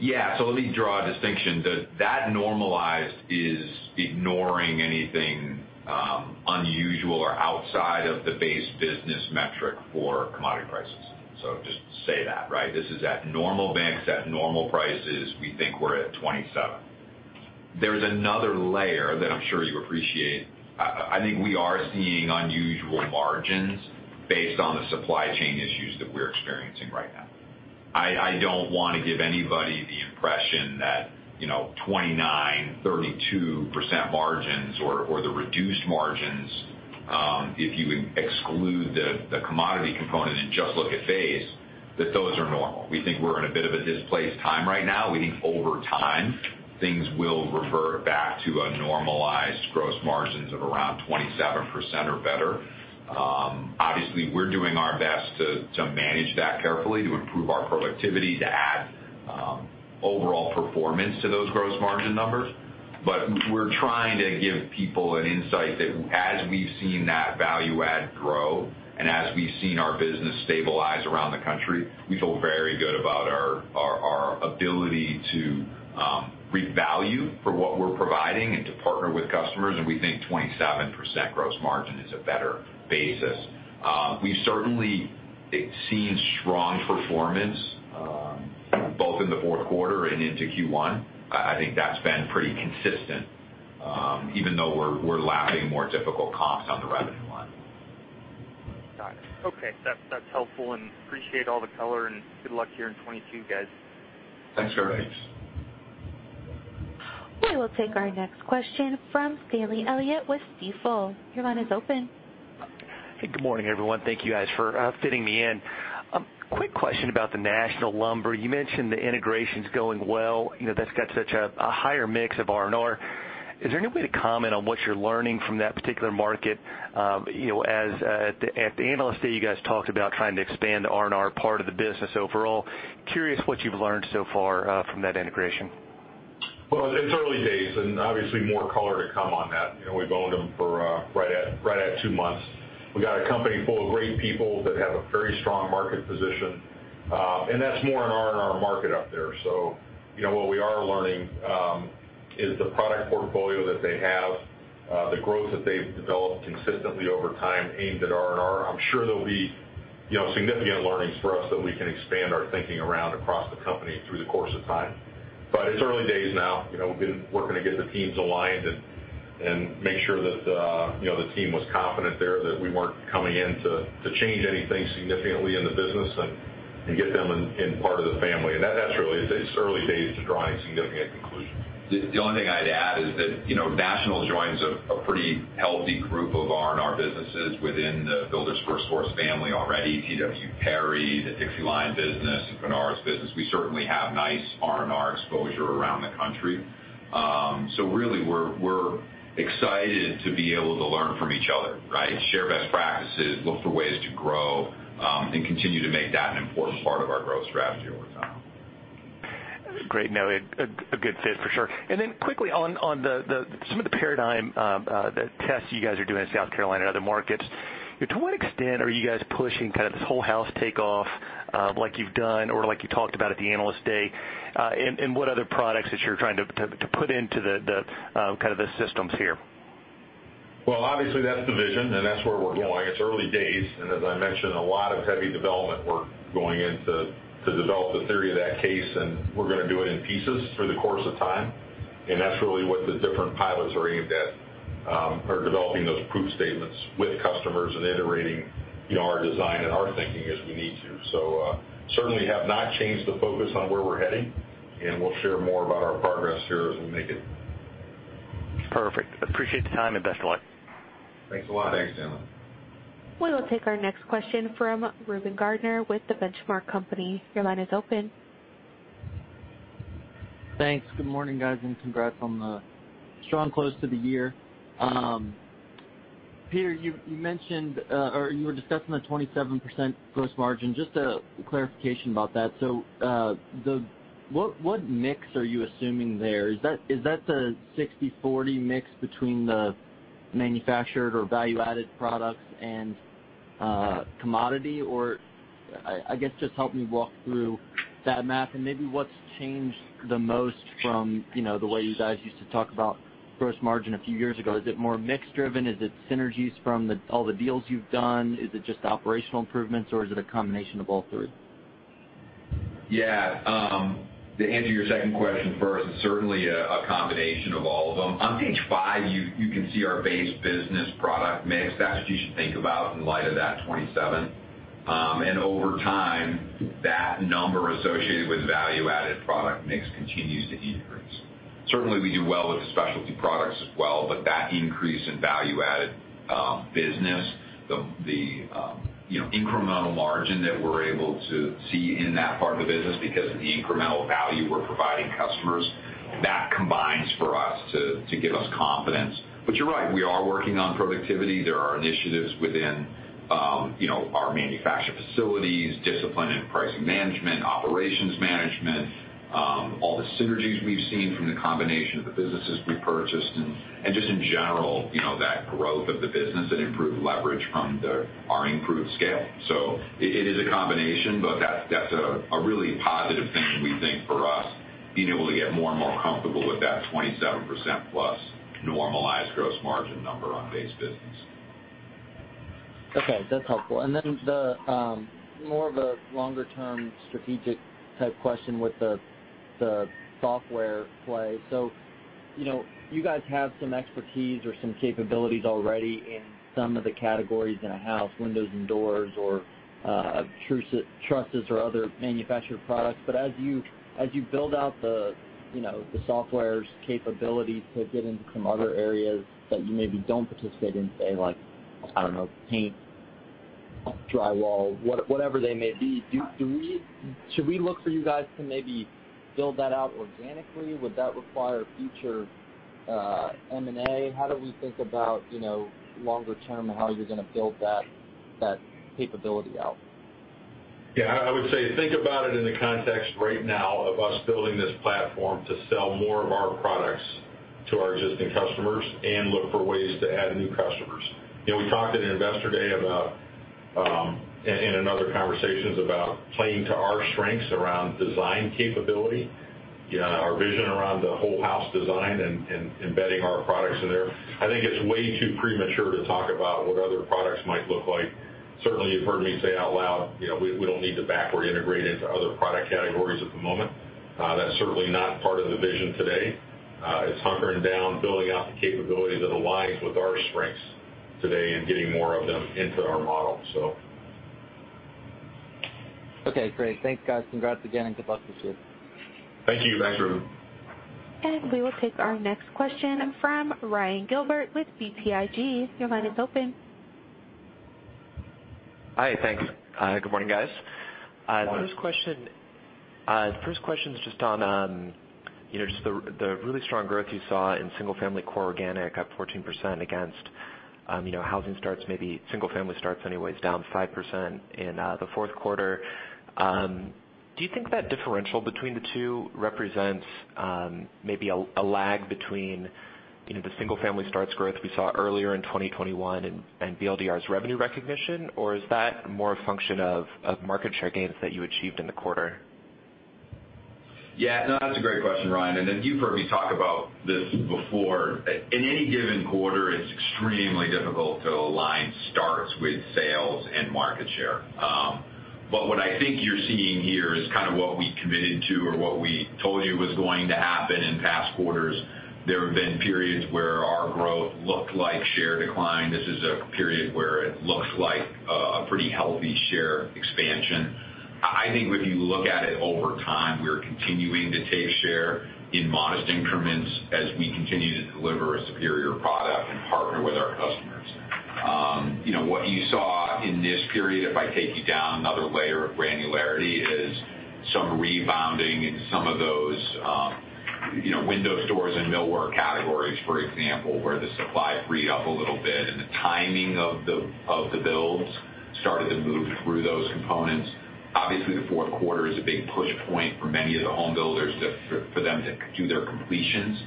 Yeah. Let me draw a distinction. That normalized is ignoring anything unusual or outside of the base business metric for commodity prices. Just say that, right? This is at normal banks, at normal prices, we think we're at 27%. There's another layer that I'm sure you appreciate. I think we are seeing unusual margins based on the supply chain issues that we're experiencing right now. I don't wanna give anybody the impression that, you know, 29%-32% margins or the reduced margins, if you exclude the commodity component and just look at base, that those are normal. We think we're in a bit of a displaced time right now. We think over time, things will revert back to a normalized gross margins of around 27% or better. Obviously, we're doing our best to manage that carefully, to improve our productivity, to add overall performance to those gross margin numbers. We're trying to give people an insight that as we've seen that value add grow and as we've seen our business stabilize around the country, we feel very good about our ability to revalue for what we're providing and to partner with customers, and we think 27% gross margin is a better basis. We've certainly seen strong performance both in the fourth quarter and into Q1. I think that's been pretty consistent, even though we're lapping more difficult comps on the revenue line. Got it. Okay. That's helpful, and I appreciate all the color and good luck here in 2022, guys. Thanks very much. We will take our next question from Stanley Elliott with Stifel. Your line is open. Hey, good morning, everyone. Thank you guys for fitting me in. Quick question about the National Lumber. You mentioned the integration's going well. You know, that's got such a higher mix of R&R. Is there any way to comment on what you're learning from that particular market? You know, as at the analyst day, you guys talked about trying to expand the R&R part of the business overall. Curious what you've learned so far from that integration? Well, it's early days and obviously more color to come on that. You know, we've owned them for right at two months. We got a company full of great people that have a very strong market position, and that's more in R&R market up there. You know, what we are learning is the product portfolio that they have, the growth that they've developed consistently over time aimed at R&R. I'm sure there'll be, you know, significant learnings for us that we can expand our thinking around across the company through the course of time. It's early days now. You know, we've been working to get the teams aligned and make sure that, you know, the team was confident there that we weren't coming in to change anything significantly in the business and get them in part of the family. That's really, it's early days to drawing significant conclusions. The only thing I'd add is that, you know, National joins a pretty healthy group of R&R businesses within the Builders FirstSource family already. TW Perry, the Dixieline business, FeneTech's business. We certainly have nice R&R exposure around the country. Really, we're excited to be able to learn from each other, right? Share best practices, look for ways to grow, and continue to make that an important part of our growth straegy over time. Great. No, a good fit for sure. Quickly on some of the Paradigm tests you guys are doing in South Carolina and other markets, to what extent are you guys pushing kind of this whole house takeoff like you've done or like you talked about at the Analyst Day? What other products that you're trying to put into the kind of the systems here? Well, obviously, that's the vision, and that's where we're going. It's early days, and as I mentioned, a lot of heavy development work going in to develop the theory of that case, and we're gonna do it in pieces through the course of time. That's really what the different pilots are aimed at, are developing those proof statements with customers and iterating, you know, our design and our thinking as we need to. Certainly have not changed the focus on where we're heading, and we'll share more about our progress here as we make it. Perfect. I appreciate the time, and best of luck. Thanks a lot. Thanks, Stanley. We will take our next question from Reuben Garner with The Benchmark Company. Your line is open. Thanks. Good morning, guys, and congrats on the strong close to the year. Peter, you mentioned or you were discussing the 27% gross margin. Just a clarification about that. So, the what mix are you assuming there? Is that the 60/40 mix between the manufactured or value-added products and commodity? Or I guess, just help me walk through that math and maybe what's changed the most from, you know, the way you guys used to talk about gross margin a few years ago. Is it more mix driven? Is it synergies from all the deals you've done? Is it just operational improvements, or is it a combination of all three? Yeah. To answer your second question first, it's certainly a combination of all of them. On page five, you can see our base business product mix. That's what you should think about in light of that 27%. And over time, that number associated with value-added product mix continues to increase. Certainly, we do well with the specialty products as well, but that increase in value-added business, you know, incremental margin that we're able to see in that part of the business because of the incremental value we're providing customers, that combines for us to give us confidence. You're right, we are working on productivity. There are initiatives within, you know, our manufacturing facilities, discipline and pricing management, operations management, all the synergies we've seen from the combination of the businesses we purchased, and just in general, you know, that growth of the business and improved leverage from our improved scale. It is a combination, but that's a really positive thing, we think, for us being able to get more and more comfortable with that 27%+ normalized gross margin number on base business. Okay, that's helpful. The more of a longer term strategic type question with the software play. You know, you guys have some expertise or some capabilities already in some of the categories in a house, windows and doors or trusses or other manufactured products. But as you build out, you know, the software's capability to get into some other areas that you maybe don't participate in, say like, I don't know, paint, drywall, whatever they may be, should we look for you guys to maybe build that out organically? Would that require future M&A? How do we think about, you know, longer term, how you're gonna build that capability out? Yeah. I would say think about it in the context right now of us building this platform to sell more of our products to our existing customers and look for ways to add new customers. You know, we talked at Investor Day about and in other conversations about playing to our strengths around design capability, you know, our vision around the whole house design and embedding our products in there. I think it's way too premature to talk about what other products might look like. Certainly, you've heard me say out loud, you know, we don't need to backward integrate into other product categories at the moment. That's certainly not part of the vision today. It's hunkering down, building out the capabilities that aligns with our strengths today and getting more of them into our model, so. Okay, great. Thanks, guys. Congrats again, and good luck this year. Thank you. Thanks, Reuben. We will take our next question from Ryan Gilbert with BTIG. Your line is open. Hi. Thanks. Good morning, guys. Morning. The first question is just on, you know, just the really strong growth you saw in single-family core organic up 14% against, you know, housing starts, maybe single family starts anyways, down 5% in the fourth quarter. Do you think that differential between the two represents maybe a lag between, you know, the single family starts growth we saw earlier in 2021 and BLDR's revenue recognition, or is that more a function of market share gains that you achieved in the quarter? Yeah. No, that's a great question, Ryan, and you've heard me talk about this before. In any given quarter, it's extremely difficult to align starts with sales and market share. What I think you're seeing here is kind of what we committed to or what we told you was going to happen in past quarters. There have been periods where our growth looked like share decline. This is a period where it looks like a pretty healthy share expansion. I think if you look at it over time, we're continuing to take share in modest increments as we continue to deliver a superior product and partner with our customers. You know, what you saw in this period, if I take you down another layer of granularity, is some rebounding in some of those, you know, window stores and millwork categories, for example, where the supply freed up a little bit and the timing of the builds started to move through those components. Obviously, the fourth quarter is a big push point for many of the home builders to do their completions,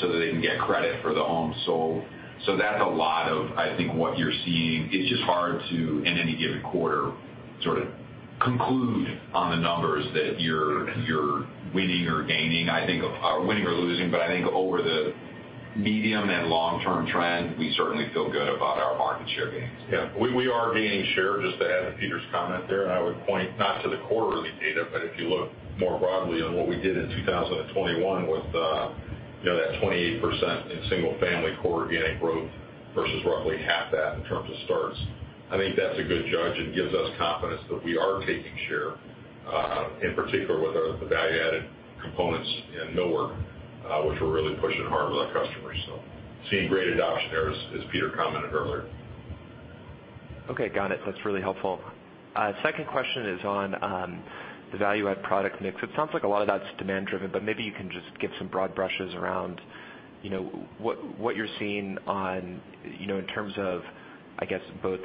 so that they can get credit for the homes sold. That's a lot of, I think, what you're seeing. It's just hard to, in any given quarter, sort of conclude on the numbers that you're winning or gaining, I think winning or losing. I think over the medium and long-term trend, we certainly feel good about our market share gains. Yeah. We are gaining share, just to add to Peter's comment there. I would point not to the quarterly data, but if you look more broadly on what we did in 2021 with, you know, that 28% in single-family core organic growth versus roughly half that in terms of starts. I think that's a good gauge and gives us confidence that we are taking share, in particular with the value-added components in millwork, which we're really pushing hard with our customers. Seeing great adoption there, as Peter commented earlier. Okay. Got it. That's really helpful. Second question is on the value add product mix. It sounds like a lot of that's demand driven, but maybe you can just give some broad brushes around, you know, what you're seeing on, you know, in terms of, I guess, both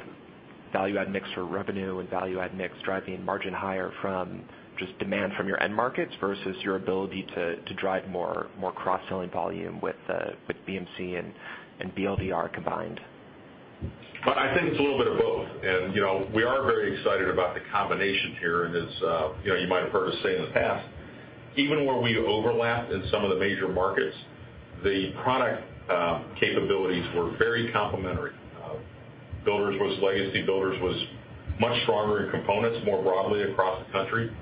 value add mix for revenue and value add mix driving margin higher from just demand from your end markets versus your ability to drive more cross-selling volume with BMC and BLDR combined? I think it's a little bit of both. You know, we are very excited about the combination here, and it's, you know, you might have heard us say in the past, even where we overlapped in some of the major markets, the product capabilities were very complementary. Legacy Builders was much stronger in components more broadly across the country.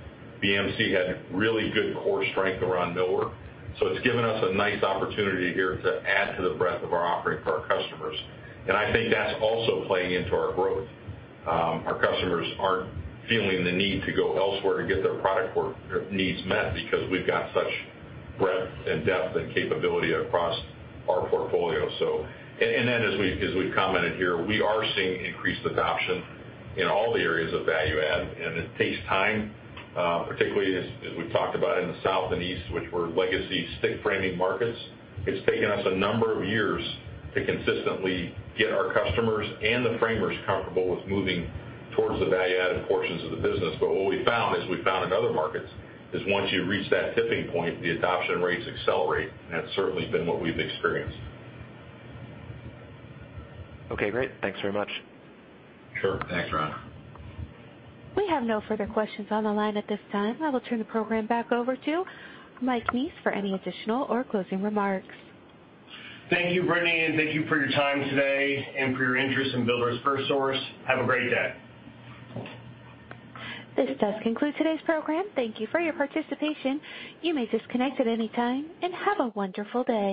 BMC had really good core strength around millwork. It's given us a nice opportunity here to add to the breadth of our offering for our customers. I think that's also playing into our growth. Our customers aren't feeling the need to go elsewhere to get their product work or needs met because we've got such breadth and depth and capability across our portfolio. As we've commented here, we are seeing increased adoption in all the areas of value add, and it takes time, particularly as we've talked about in the South and East, which were legacy stick framing markets. It's taken us a number of years to consistently get our customers and the framers comfortable with moving towards the value-added portions of the business. What we found in other markets is once you reach that tipping point, the adoption rates accelerate, and that's certainly been what we've experienced. Okay. Great. Thanks very much. Sure. Thanks, Ryan. We have no further questions on the line at this time. I will turn the program back over to Michael Neese for any additional or closing remarks. Thank you, Brittany, and thank you for your time today and for your interest in Builders FirstSource. Have a great day. This does conclude today's program. Thank you for your participation. You may disconnect at any time, and have a wonderful day.